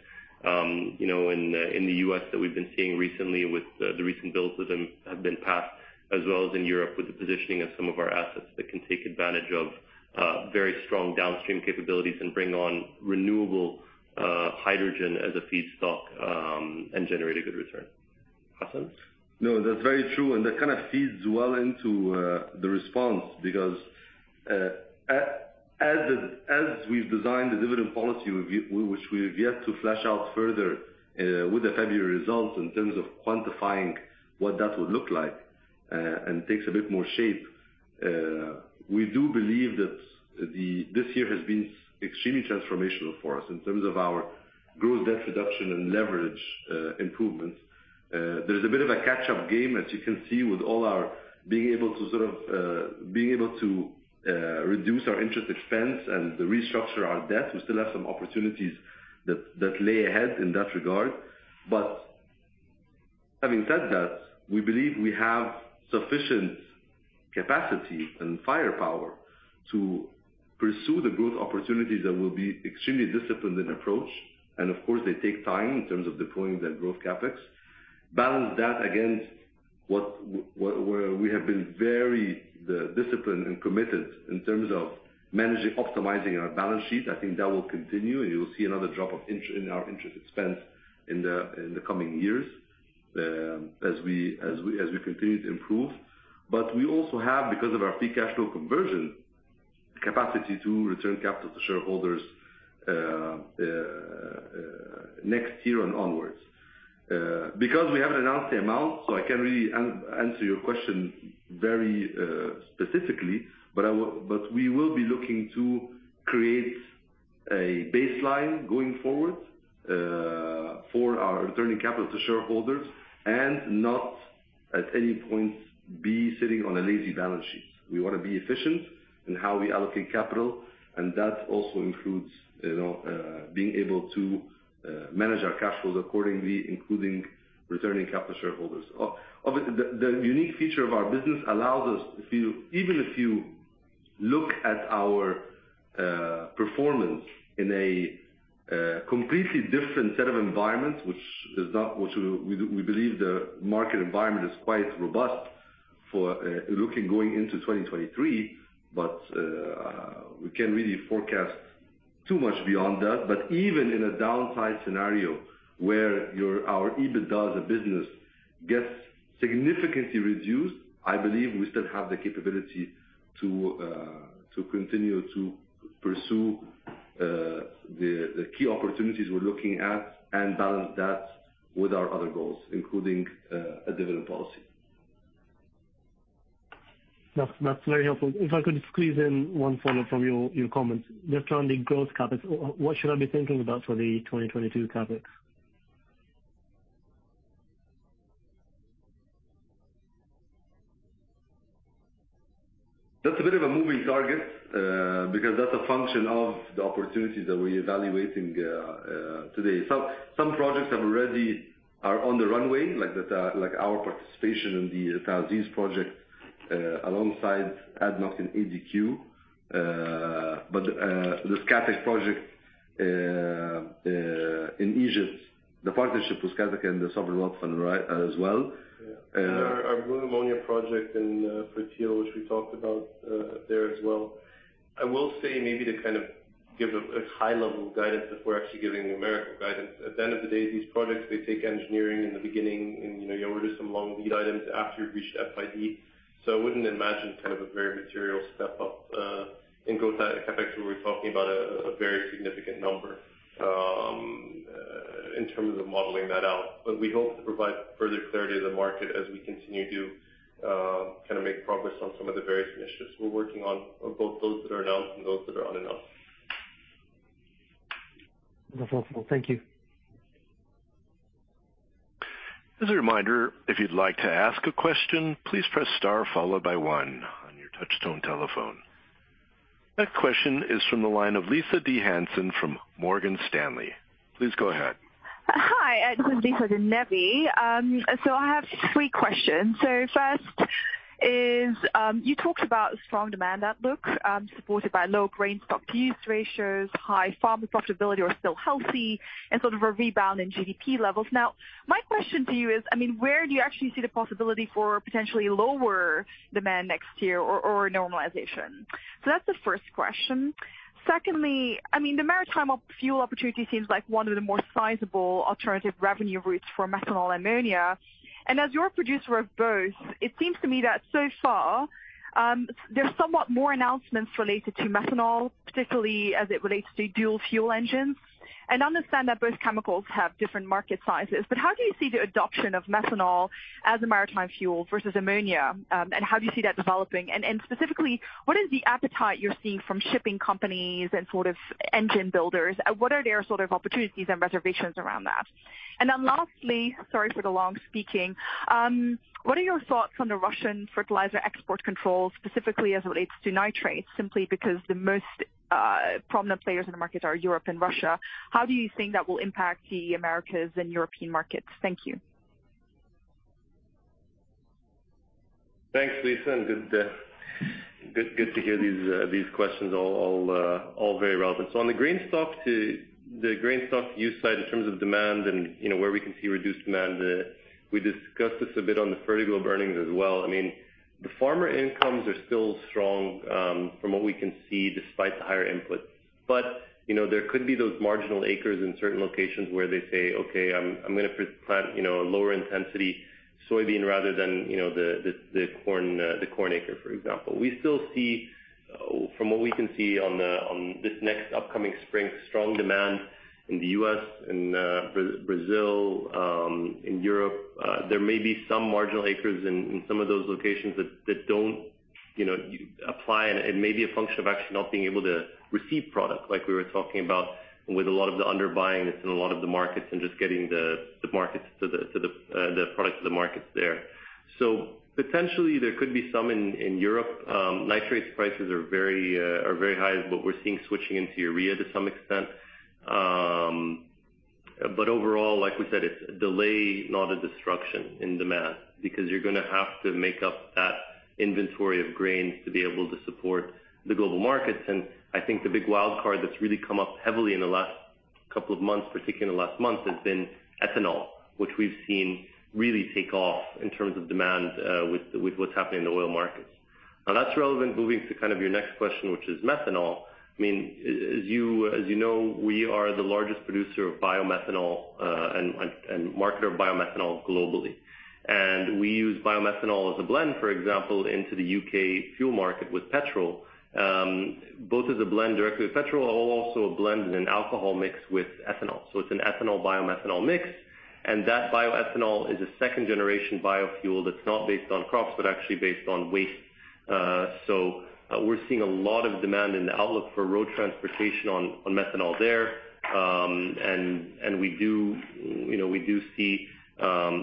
Speaker 3: you know, in the U.S. that we've been seeing recently with the recent bills that have been passed, as well as in Europe with the positioning of some of our assets that can take advantage of very strong downstream capabilities and bring on renewable hydrogen as a feedstock, and generate a good return. Hassan?
Speaker 4: No, that's very true, and that kind of feeds well into the response because as we've designed the dividend policy, which we've yet to flesh out further with the February results in terms of quantifying what that would look like, and takes a bit more shape. We do believe that this year has been extremely transformational for us in terms of our gross debt reduction and leverage improvements. There's a bit of a catch-up game, as you can see, with all our being able to reduce our interest expense and restructure our debt. We still have some opportunities that lay ahead in that regard. Having said that, we believe we have sufficient capacity and firepower to pursue the growth opportunities that will be extremely disciplined in approach. Of course, they take time in terms of deploying that growth CapEx. Balance that against where we have been very, disciplined and committed in terms of optimizing our balance sheet. I think that will continue, and you'll see another drop in our interest expense in the coming years, as we continue to improve. But we also have, because of our free cash flow conversion, capacity to return capital to shareholders, next year and onwards. Because we haven't announced the amount, so I can't really answer your question very, specifically, but we will be looking to create a baseline going forward, for our returning capital to shareholders and not at any point be sitting on a lazy balance sheet. We wanna be efficient in how we allocate capital, and that also includes being able to manage our cash flows accordingly, including returning capital to shareholders. The unique feature of our business allows us to feel even if you look at our performance in a completely different set of environments, which is not what we believe the market environment is quite robust for looking going into 2023, but we can't really forecast too much beyond that. Even in a downside scenario, where our EBITDA as a business gets significantly reduced, I believe we still have the capability to continue to pursue the key opportunities we're looking at and balance that with our other goals, including a dividend policy.
Speaker 6: That's very helpful. If I could squeeze in one follow-up from your comments. Just on the growth CapEx, what should I be thinking about for the 2022 CapEx?
Speaker 4: That's a bit of a moving target, because that's a function of the opportunities that we're evaluating today. Some projects are on the runway, like our participation in the TA'ZIZ project alongside ADNOC and ADQ, but the Scatec project in Egypt, the partnership with Scatec and The Sovereign Fund of Egypt, right, as well.
Speaker 3: Yeah. Our blue ammonia project in Fertial, which we talked about there as well. I will say maybe to kind of give a high level of guidance before actually giving numerical guidance. At the end of the day, these projects, they take engineering in the beginning, and you know, you order some long lead items after you've reached FID. I wouldn't imagine kind of a very material step up in growth CapEx, where we're talking about a very significant number in terms of modeling that out. We hope to provide further clarity to the market as we continue to kinda make progress on some of the various initiatives we're working on both those that are announced and those that are unannounced.
Speaker 6: That's helpful. Thank you.
Speaker 1: As a reminder, if you'd like to ask a question, please press star followed by one on your touch-tone telephone. Next question is from the line of Lisa De Neve from Morgan Stanley. Please go ahead.
Speaker 7: Hi. Lisa De Neve. I have three questions. First is, you talked about strong demand outlook, supported by low grain stocks-to-use ratios, high farmer profitability are still healthy and sort of a rebound in GDP levels. Now, my question to you is, I mean, where do you actually see the possibility for potentially lower demand next year or normalization? That's the first question. Secondly, I mean, the maritime fuel opportunity seems like one of the more sizable alternative revenue routes for methanol ammonia. And as you're a producer of both, it seems to me that so far, there's somewhat more announcements related to methanol, particularly as it relates to dual fuel engines. And I understand that both chemicals have different market sizes, but how do you see the adoption of methanol as a maritime fuel versus ammonia? How do you see that developing? Specifically, what is the appetite you're seeing from shipping companies and sort of engine builders? What are their sort of opportunities and reservations around that? Lastly, sorry for the long speaking. What are your thoughts on the Russian fertilizer export controls, specifically as it relates to nitrates? Simply because the most prominent players in the market are Europe and Russia. How do you think that will impact the Americas and European markets? Thank you.
Speaker 3: Thanks, Lisa, and good to hear these questions. All very relevant. On the grain stocks-to-use side in terms of demand and, you know, where we can see reduced demand, we discussed this a bit on the Fertiglobe earnings as well. I mean, the farmer incomes are still strong, from what we can see despite the higher inputs. You know, there could be those marginal acres in certain locations where they say, "Okay, I'm gonna plant, you know, a lower intensity soybean rather than, you know, the corn acre," for example. We still see, from what we can see on this next upcoming spring, strong demand in the U.S., in Brazil, in Europe. There may be some marginal acres in some of those locations that don't, you know, apply. It may be a function of actually not being able to receive product like we were talking about with a lot of the underbuying that's in a lot of the markets and just getting the markets to the product to the markets there. Potentially, there could be some in Europe. Nitrates prices are very high, but we're seeing switching into urea to some extent. But overall, like we said, it's a delay, not a disruption in demand, because you're gonna have to make up that inventory of grains to be able to support the global markets. I think the big wild card that's really come up heavily in the last couple of months, particularly in the last month, has been ethanol, which we've seen really take off in terms of demand, with what's happening in the oil markets. Now that's relevant moving to kind of your next question, which is methanol. I mean, as you know, we are the largest producer of biomethanol, and marketer of biomethanol globally. We use biomethanol as a blend, for example, into the U.K. fuel market with petrol, both as a blend directly with petrol, also a blend in an alcohol mix with ethanol. It's an ethanol biomethanol mix, and that bioethanol is a second generation biofuel that's not based on crops but actually based on waste. We're seeing a lot of demand in the outlook for road transportation on methanol there. We see,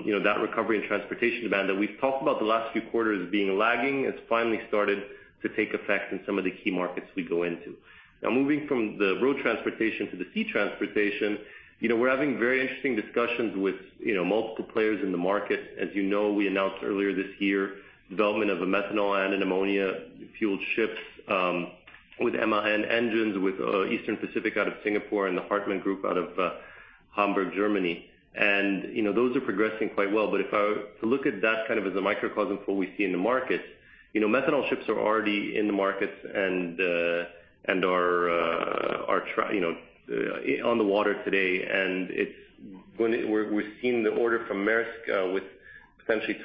Speaker 3: you know, that recovery in transportation demand that we've talked about the last few quarters being lagging. It's finally started to take effect in some of the key markets we go into. Now, moving from the road transportation to the sea transportation, you know, we're having very interesting discussions with, you know, multiple players in the market. As you know, we announced earlier this year development of a methanol and an ammonia fueled ships with MAN engines with Eastern Pacific out of Singapore and the Hartmann Group out of Hamburg, Germany. You know, those are progressing quite well. To look at that kind of as a microcosm for what we see in the markets, you know, methanol ships are already in the markets and are on the water today, and we've seen the order from Maersk with potentially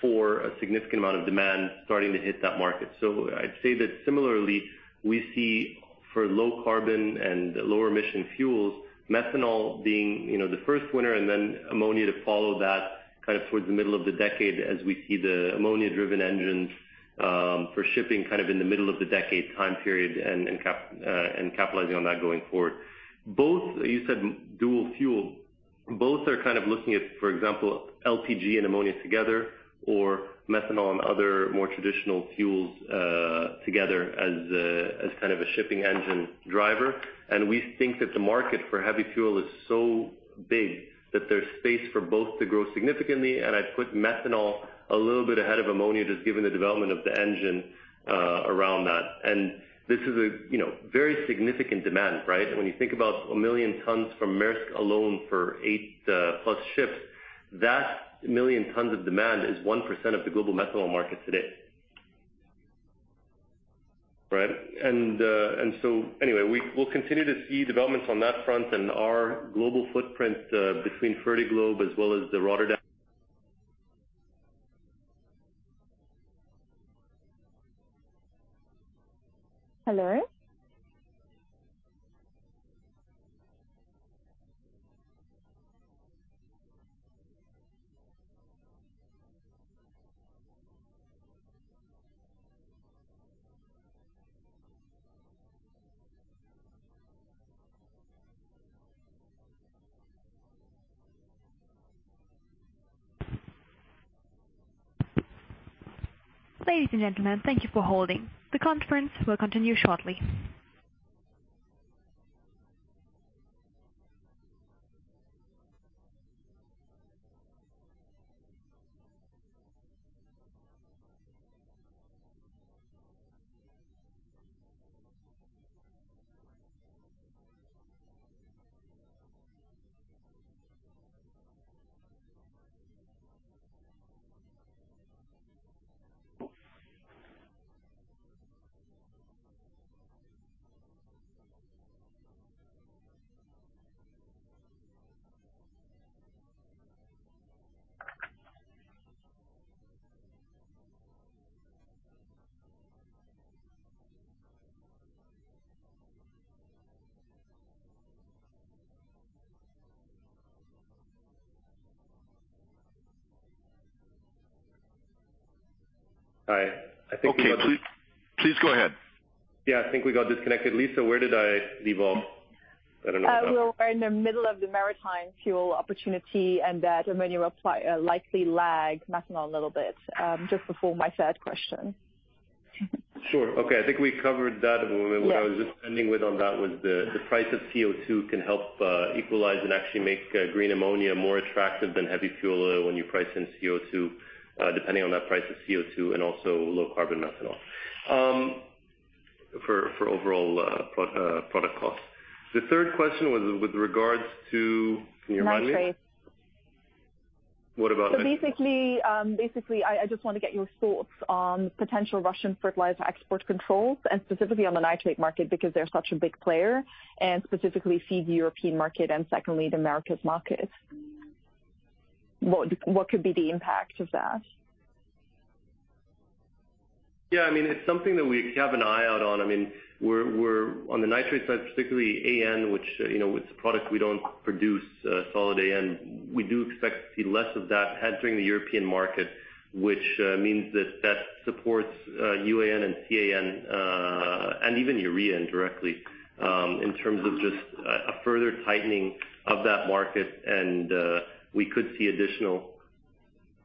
Speaker 3: 2024, a significant amount of demand starting to hit that market. I'd say that similarly, we see for low carbon and lower emission fuels, methanol being, you know, the first winner and then ammonia to follow that kind of towards the middle of the decade as we see the ammonia-driven engines for shipping kind of in the middle of the decade time period and capitalizing on that going forward. Both, you said dual fuel. Both are kind of looking at, for example, LPG and ammonia together or methanol and other more traditional fuels, together as kind of a shipping engine driver. We think that the market for heavy fuel is so big that there's space for both to grow significantly. I'd put methanol a little bit ahead of ammonia, just given the development of the engine, around that. This is a, you know, very significant demand, right? When you think about 1 million tons from Maersk alone for eight plus ships, that 1 million tons of demand is 1% of the global methanol market today. Right? Anyway, we will continue to see developments on that front and our global footprint, between Fertiglobe as well as the Rotterdam.
Speaker 1: Hello? Ladies and gentlemen, thank you for holding. The conference will continue shortly.
Speaker 3: Hi.
Speaker 1: Okay. Please go ahead.
Speaker 3: Yeah, I think we got disconnected. Lisa, where did I leave off? I don't know about.
Speaker 7: We were in the middle of the maritime fuel opportunity and that ammonia will apply, likely lag methanol a little bit, just before my third question.
Speaker 3: Sure. Okay. I think we covered that.
Speaker 7: Yes.
Speaker 3: What I was just ending with on that was the price of CO2 can help equalize and actually make green ammonia more attractive than heavy fuel when you price in CO2 depending on that price of CO2 and also low carbon methanol for overall product costs. The third question was with regards to. Can you remind me?
Speaker 7: Nitrates.
Speaker 3: What about nitrates?
Speaker 7: Basically, I just want to get your thoughts on potential Russian fertilizer export controls and specifically on the nitrate market because they're such a big player and specifically feed the European market and secondly, the Americas market. What could be the impact of that?
Speaker 3: Yeah, I mean, it's something that we have an eye out on. I mean, we're on the nitrate side, particularly AN, which, you know, it's a product we don't produce, solid AN. We do expect to see less of that entering the European market, which means that that supports UAN and CAN and even urea indirectly in terms of just a further tightening of that market. We could see additional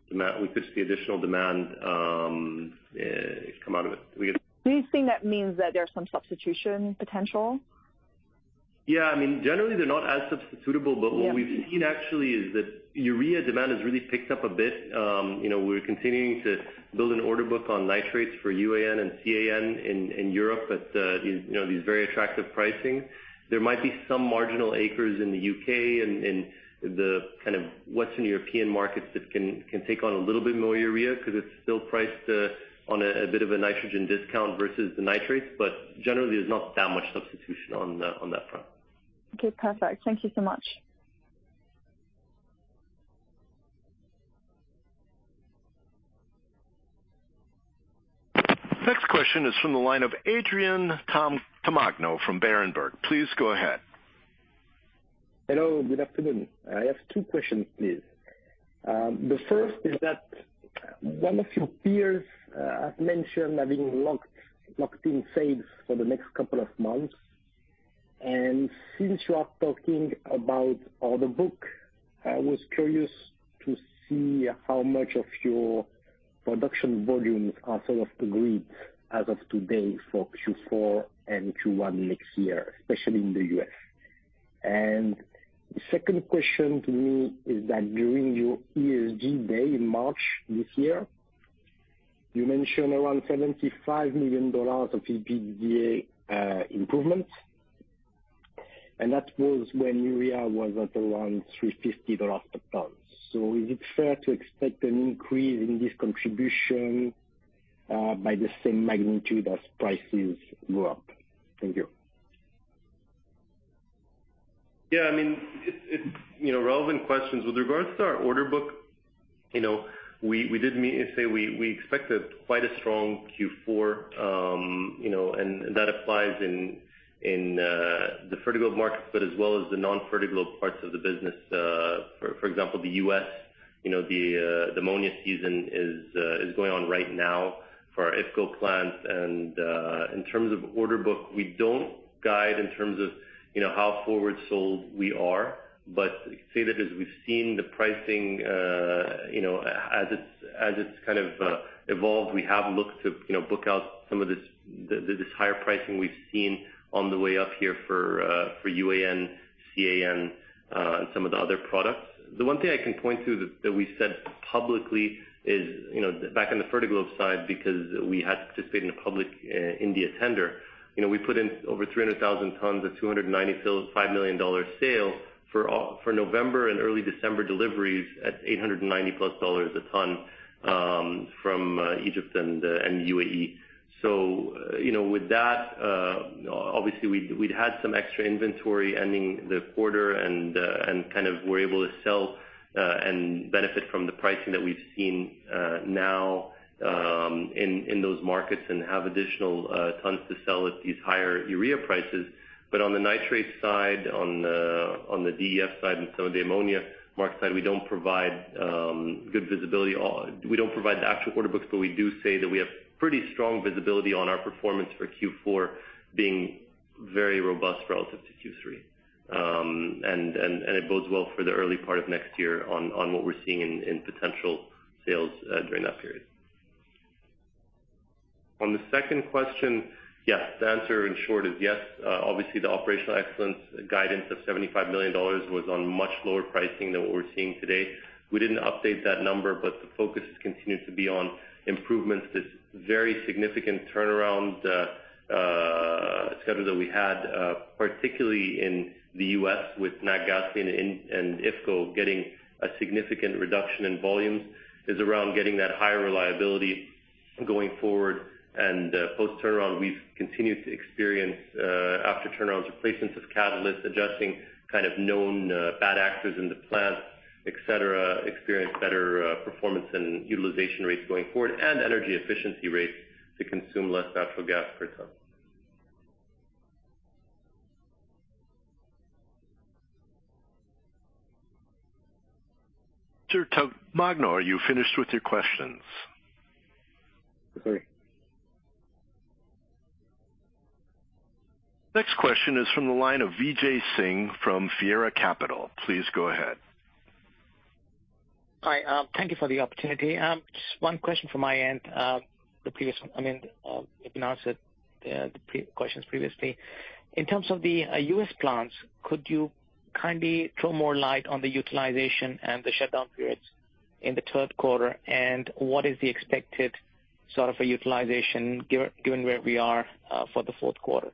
Speaker 3: demand come out of it. We get-
Speaker 7: Do you think that means that there's some substitution potential?
Speaker 3: Yeah. I mean, generally, they're not as substitutable.
Speaker 7: Yeah.
Speaker 3: What we've seen actually is that urea demand has really picked up a bit. You know, we're continuing to build an order book on nitrates for UAN and CAN in Europe at the you know these very attractive pricing. There might be some marginal acres in the U.K. and the kind of Western European markets that can take on a little bit more urea because it's still priced on a bit of a nitrogen discount versus the nitrates. Generally, there's not that much substitution on that front.
Speaker 7: Okay. Perfect. Thank you so much.
Speaker 1: Next question is from the line of Adrien Tamagno from Berenberg. Please go ahead.
Speaker 8: Hello. Good afternoon. I have two questions, please. The first is that one of your peers have mentioned having locked in sales for the next couple of months. Since you are talking about order book, I was curious to see how much of your production volumes are sort of agreed as of today for Q4 and Q1 next year, especially in the U.S. The second question to me is that during your ESG Day in March this year, you mentioned around $75 million of EBITDA improvement, and that was when urea was at around $350 per ton. Is it fair to expect an increase in this contribution by the same magnitude as prices go up? Thank you.
Speaker 3: Yeah, I mean, it's you know, relevant questions. With regards to our order book, you know, we say we expected quite a strong Q4, you know, and that applies in the Fertiglobe markets, but as well as the non-Fertiglobe parts of the business. For example, the U.S., you know, the ammonia season is going on right now for our IFCo plants. In terms of order book, we don't guide in terms of, you know, how forward sold we are. Say that as we've seen the pricing, you know, as it's kind of evolved, we have looked to, you know, book out some of this this higher pricing we've seen on the way up here for UAN, CAN, and some of the other products. The one thing I can point to that we said publicly is, you know, back in the Fertiglobe side, because we had to participate in a public India tender. You know, we put in over 300,000 tons of $295 million sale for November and early December deliveries at $890+ a ton from Egypt and U.A.E. With that, obviously we'd had some extra inventory ending the quarter and kind of were able to sell and benefit from the pricing that we've seen now in those markets and have additional tons to sell at these higher urea prices. On the nitrate side, on the DEF side and some of the ammonia market side, we don't provide good visibility or we don't provide the actual order books, but we do say that we have pretty strong visibility on our performance for Q4 being very robust relative to Q3. And it bodes well for the early part of next year on what we're seeing in potential sales during that period. On the second question, yes. The answer in short is yes. Obviously the operational excellence guidance of $75 million was on much lower pricing than what we're seeing today. We didn't update that number, but the focus continues to be on improvements. This very significant turnaround schedule that we had, particularly in the U.S. with Natgasoline and IFCo getting a significant reduction in volumes is around getting that higher reliability going forward. Post-turnaround, we've continued to experience, after turnarounds, replacements of catalysts, adjusting kind of known bad actors in the plants, etc., experience better performance and utilization rates going forward and energy efficiency rates to consume less natural gas per ton.
Speaker 1: Sir Tamagno, are you finished with your questions?
Speaker 8: Sorry.
Speaker 1: Next question is from the line of Vijay Singh from Fiera Capital. Please go ahead.
Speaker 9: Hi, thank you for the opportunity. Just one question from my end. The previous one, I mean, you can answer the previous questions previously. In terms of the U.S. plants, could you kindly throw more light on the utilization and the shutdown periods in the third quarter? What is the expected sort of a utilization given where we are, for the fourth quarter?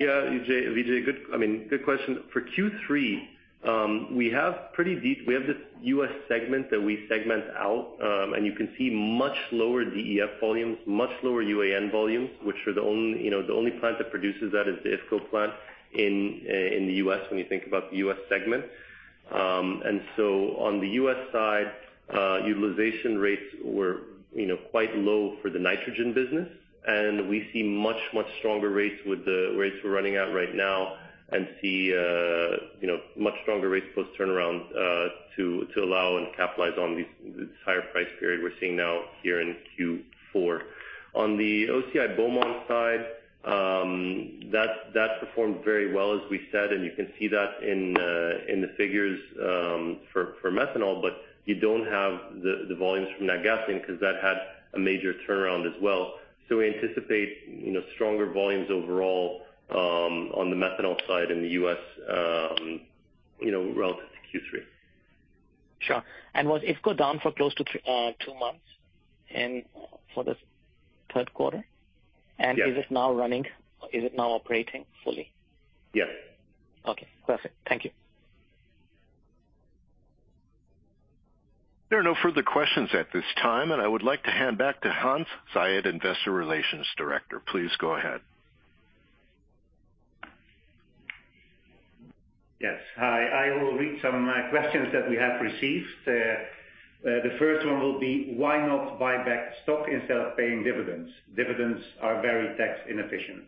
Speaker 3: Yeah, Vijay, good. I mean, good question. For Q3, we have this U.S. segment that we segment out, and you can see much lower DEF volumes, much lower UAN volumes, which are the only, the only plant that produces that is the IFCo plant in the U.S. when you think about the U.S. segment. On the U.S. side, utilization rates were, you know, quite low for the nitrogen business, and we see much, much stronger rates with the rates we're running at right now and see, you know, much stronger rates post-turnaround, to allow and capitalize on these, this higher price period we're seeing now here in Q4. On the OCI Beaumont side, that performed very well as we said, and you can see that in the figures for methanol, but you don't have the volumes from Natgasoline, because that had a major turnaround as well. We anticipate, you know, stronger volumes overall on the methanol side in the U.S., you know, relative to Q3.
Speaker 9: Sure. Was IFCo down for close to two months in for the third quarter?
Speaker 3: Yes.
Speaker 9: Is it now running? Is it now operating fully?
Speaker 3: Yes.
Speaker 9: Okay, perfect. Thank you.
Speaker 1: There are no further questions at this time, and I would like to hand back to Hans Zayed, Investor Relations Director. Please go ahead.
Speaker 2: Yes. Hi. I will read some of my questions that we have received. The first one will be: Why not buy back stock instead of paying dividends? Dividends are very tax inefficient.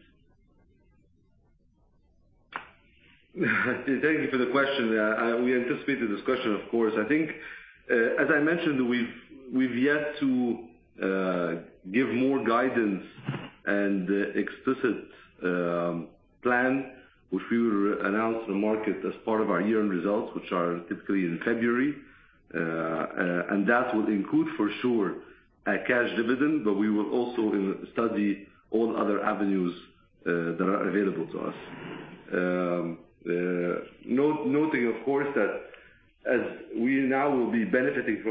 Speaker 4: Thank you for the question. We anticipate the discussion, of course. I think, as I mentioned, we've yet to give more guidance and explicit plan, which we will announce to the market as part of our year-end results, which are typically in February. That will include, for sure, a cash dividend, but we will also study all other avenues that are available to us. Noting, of course, that as we now will be benefiting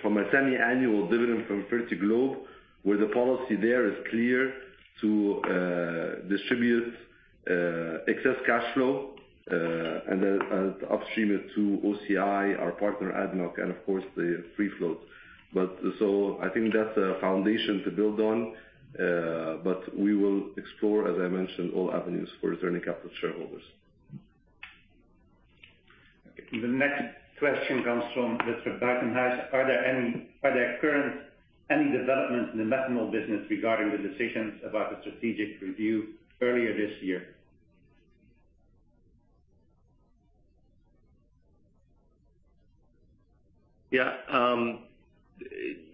Speaker 4: from a semi-annual dividend from Fertiglobe, where the policy there is clear to distribute excess cash flow and then upstream it to OCI, our partner, ADNOC, and of course, the free float. I think that's a foundation to build on, but we will explore, as I mentioned, all avenues for returning capital to shareholders.
Speaker 2: The next question comes from Mr. [Backhaus]: Are there currently any developments in the methanol business regarding the decisions about the strategic review earlier this year?
Speaker 3: Yeah.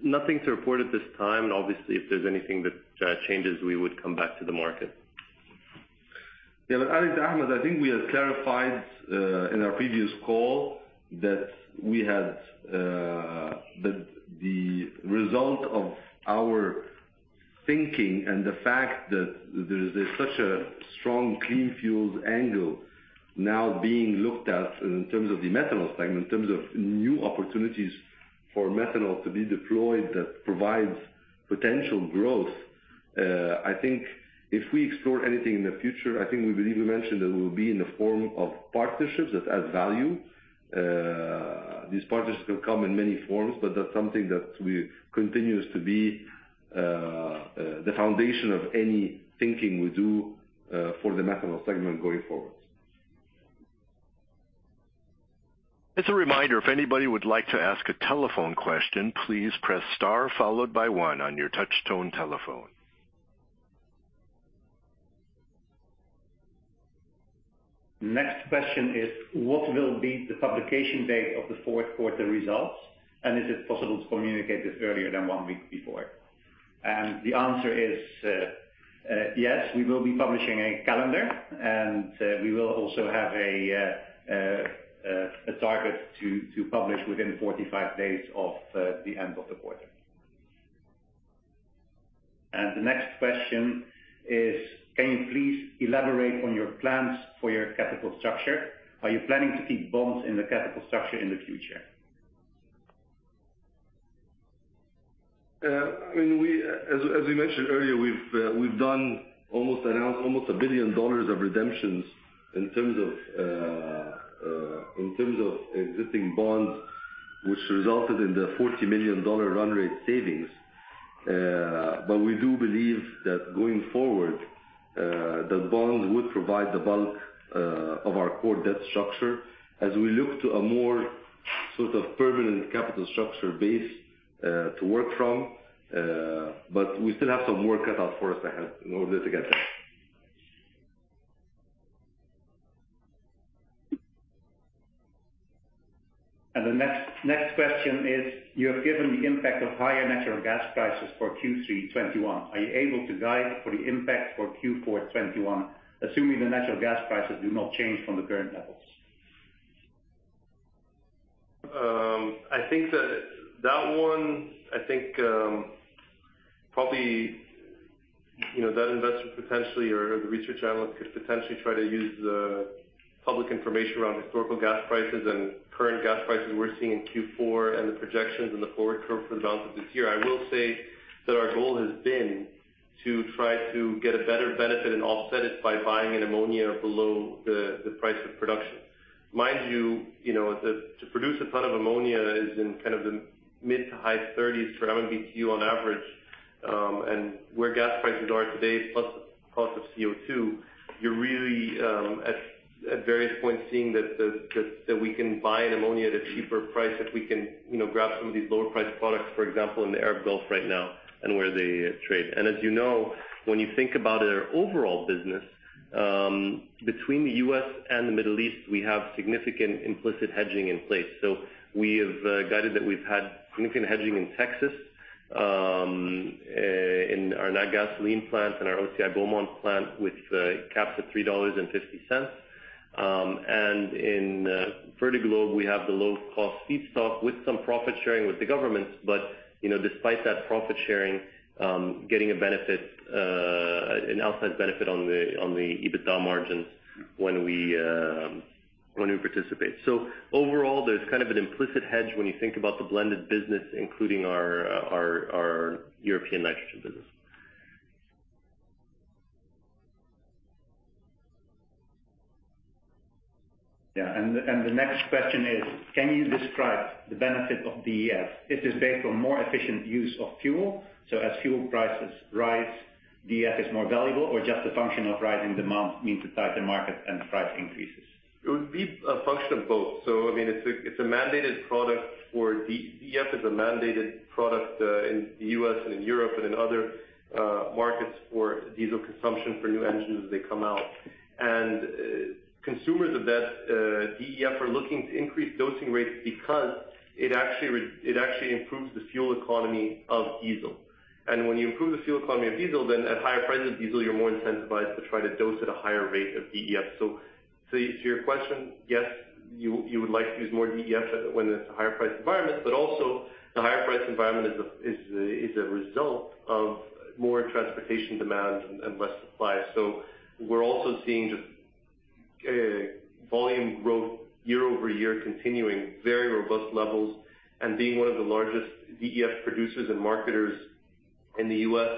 Speaker 3: Nothing to report at this time. Obviously, if there's anything that changes, we would come back to the market.
Speaker 4: Ahmed, I think we have clarified in our previous call that the result of our thinking and the fact that there's such a strong clean fuels angle now being looked at in terms of the methanol segment, in terms of new opportunities for methanol to be deployed that provides potential growth. I think if we explore anything in the future, I think we believe we mentioned that it will be in the form of partnerships that add value. These partnerships will come in many forms, but that's something that continues to be the foundation of any thinking we do for the methanol segment going forward.
Speaker 1: As a reminder, if anybody would like to ask a telephone question, please press star followed by one on your touch-tone telephone.
Speaker 2: Next question is: What will be the publication date of the fourth quarter results, and is it possible to communicate this earlier than one week before? The answer is, yes, we will be publishing a calendar, and we will also have a target to publish within 45 days of the end of the quarter. The next question is: Can you please elaborate on your plans for your capital structure? Are you planning to keep bonds in the capital structure in the future?
Speaker 4: I mean, as we mentioned earlier, we've done almost $1 billion of redemptions in terms of existing bonds, which resulted in the $40 million run rate savings. We do believe that going forward, the bonds would provide the bulk of our core debt structure as we look to a more sort of permanent capital structure base to work from. We still have some work cut out for us ahead in order to get there.
Speaker 2: The next question is: You have given the impact of higher natural gas prices for Q3 2021. Are you able to guide for the impact for Q4 2021, assuming the natural gas prices do not change from the current levels?
Speaker 3: I think that one, I think, probably, you know, that investor potentially or the research analyst could potentially try to use the public information around historical gas prices and current gas prices we're seeing in Q4 and the projections and the forward curve for the balance of this year. I will say that our goal has been to try to get a better benefit and offset it by buying ammonia below the price of production. Mind you know, to produce a ton of ammonia is in kind of the mid to high $30/MMBtu on average. Where gas prices are today, plus the cost of CO2, you're really at various points seeing that we can buy ammonia at a cheaper price if we can, you know, grab some of these lower priced products, for example, in the Arab Gulf right now and where they trade. As you know, when you think about our overall business, between the U.S. and the Middle East, we have significant implicit hedging in place. We have guided that we've had significant hedging in Texas in our Natgasoline plant and our OCI Beaumont plant with caps at $3.50. In Fertiglobe, we have the low-cost feedstock with some profit sharing with the government. You know, despite that profit sharing, getting a benefit, an outside benefit on the EBITDA margins when we participate. Overall, there's kind of an implicit hedge when you think about the blended business, including our European nitrogen business.
Speaker 2: Yeah. The next question is, can you describe the benefit of DEF? It is based on more efficient use of fuel, so as fuel prices rise, DEF is more valuable or just a function of rising demand means a tighter market and price increases?
Speaker 3: It would be a function of both. I mean, it's a mandated product for DEF. DEF is a mandated product in the U.S. and in Europe and in other markets for diesel consumption for new engines as they come out. Consumers of that DEF are looking to increase dosing rates because it actually improves the fuel economy of diesel. When you improve the fuel economy of diesel, then at higher prices of diesel, you're more incentivized to try to dose at a higher rate of DEF. To your question, yes, you would like to use more DEF when it's a higher price environment, but also the higher price environment is a result of more transportation demands and less supply. We're also seeing just volume growth year-over-year continuing very robust levels. Being one of the largest DEF producers and marketers in the U.S.,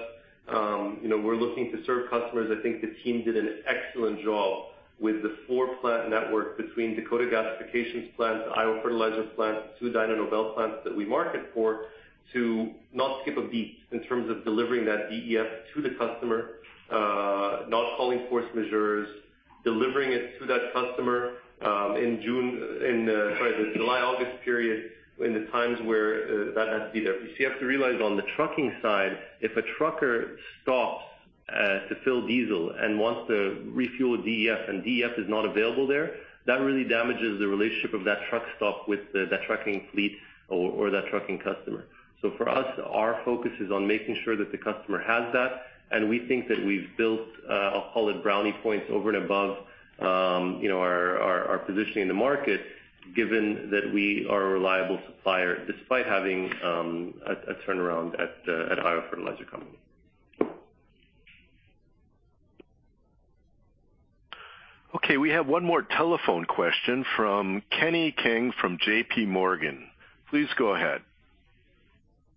Speaker 3: you know, we're looking to serve customers. I think the team did an excellent job with the four-plant network between Dakota Gasification's plant, the Iowa Fertilizer plant, two Dyno Nobel plants that we market for, to not skip a beat in terms of delivering that DEF to the customer, not calling force majeure, delivering it to that customer in the July-August period in the times where that has to be there. Because you have to realize on the trucking side, if a trucker stops to fill diesel and wants to refuel DEF, and DEF is not available there, that really damages the relationship of that truck stop with the trucking fleet or that trucking customer. For us, our focus is on making sure that the customer has that, and we think that we've built, I'll call it brownie points over and above, you know, our positioning in the market, given that we are a reliable supplier despite having a turnaround at Iowa Fertilizer Company.
Speaker 1: Okay. We have one more telephone question from Kenny King from JPMorgan. Please go ahead.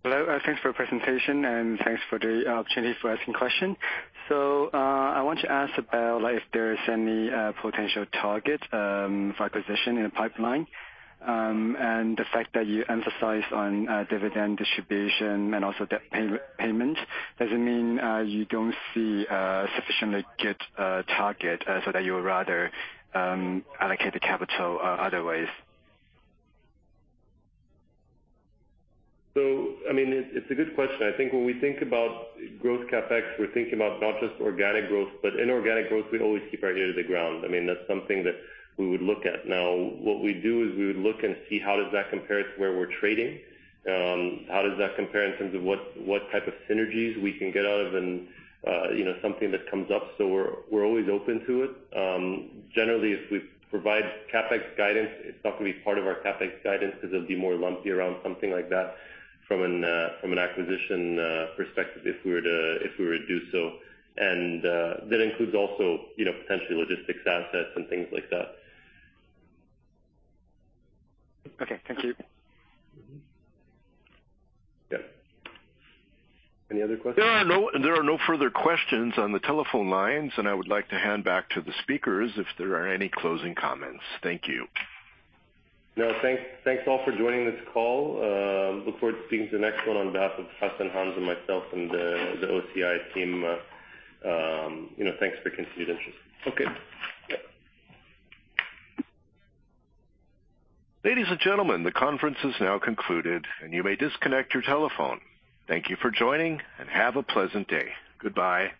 Speaker 10: Hello. Thanks for your presentation, and thanks for the opportunity for asking question. I want to ask about, like, if there is any potential target for acquisition in the pipeline. The fact that you emphasize on dividend distribution and also debt payment, does it mean you don't see a sufficiently good target so that you would rather allocate the capital other ways?
Speaker 3: I mean, it's a good question. I think when we think about growth CapEx, we're thinking about not just organic growth, but inorganic growth. We always keep our ear to the ground. I mean, that's something that we would look at. Now, what we do is we would look and see how does that compare to where we're trading? How does that compare in terms of what type of synergies we can get out of, you know, something that comes up? We're always open to it. Generally, if we provide CapEx guidance, it's not gonna be part of our CapEx guidance because it'll be more lumpy around something like that from an acquisition perspective if we were to do so. That includes also, you know, potentially logistics assets and things like that.
Speaker 10: Okay. Thank you.
Speaker 3: Yeah. Any other questions?
Speaker 1: There are no further questions on the telephone lines, and I would like to hand back to the speakers if there are any closing comments. Thank you.
Speaker 3: No. Thanks all for joining this call. Look forward to seeing the next one. On behalf of Hassan Badrawi and myself and the OCI team, you know, thanks for your continued interest.
Speaker 2: Okay.
Speaker 4: Yeah.
Speaker 1: Ladies and gentlemen, the conference is now concluded, and you may disconnect your telephone. Thank you for joining, and have a pleasant day. Goodbye.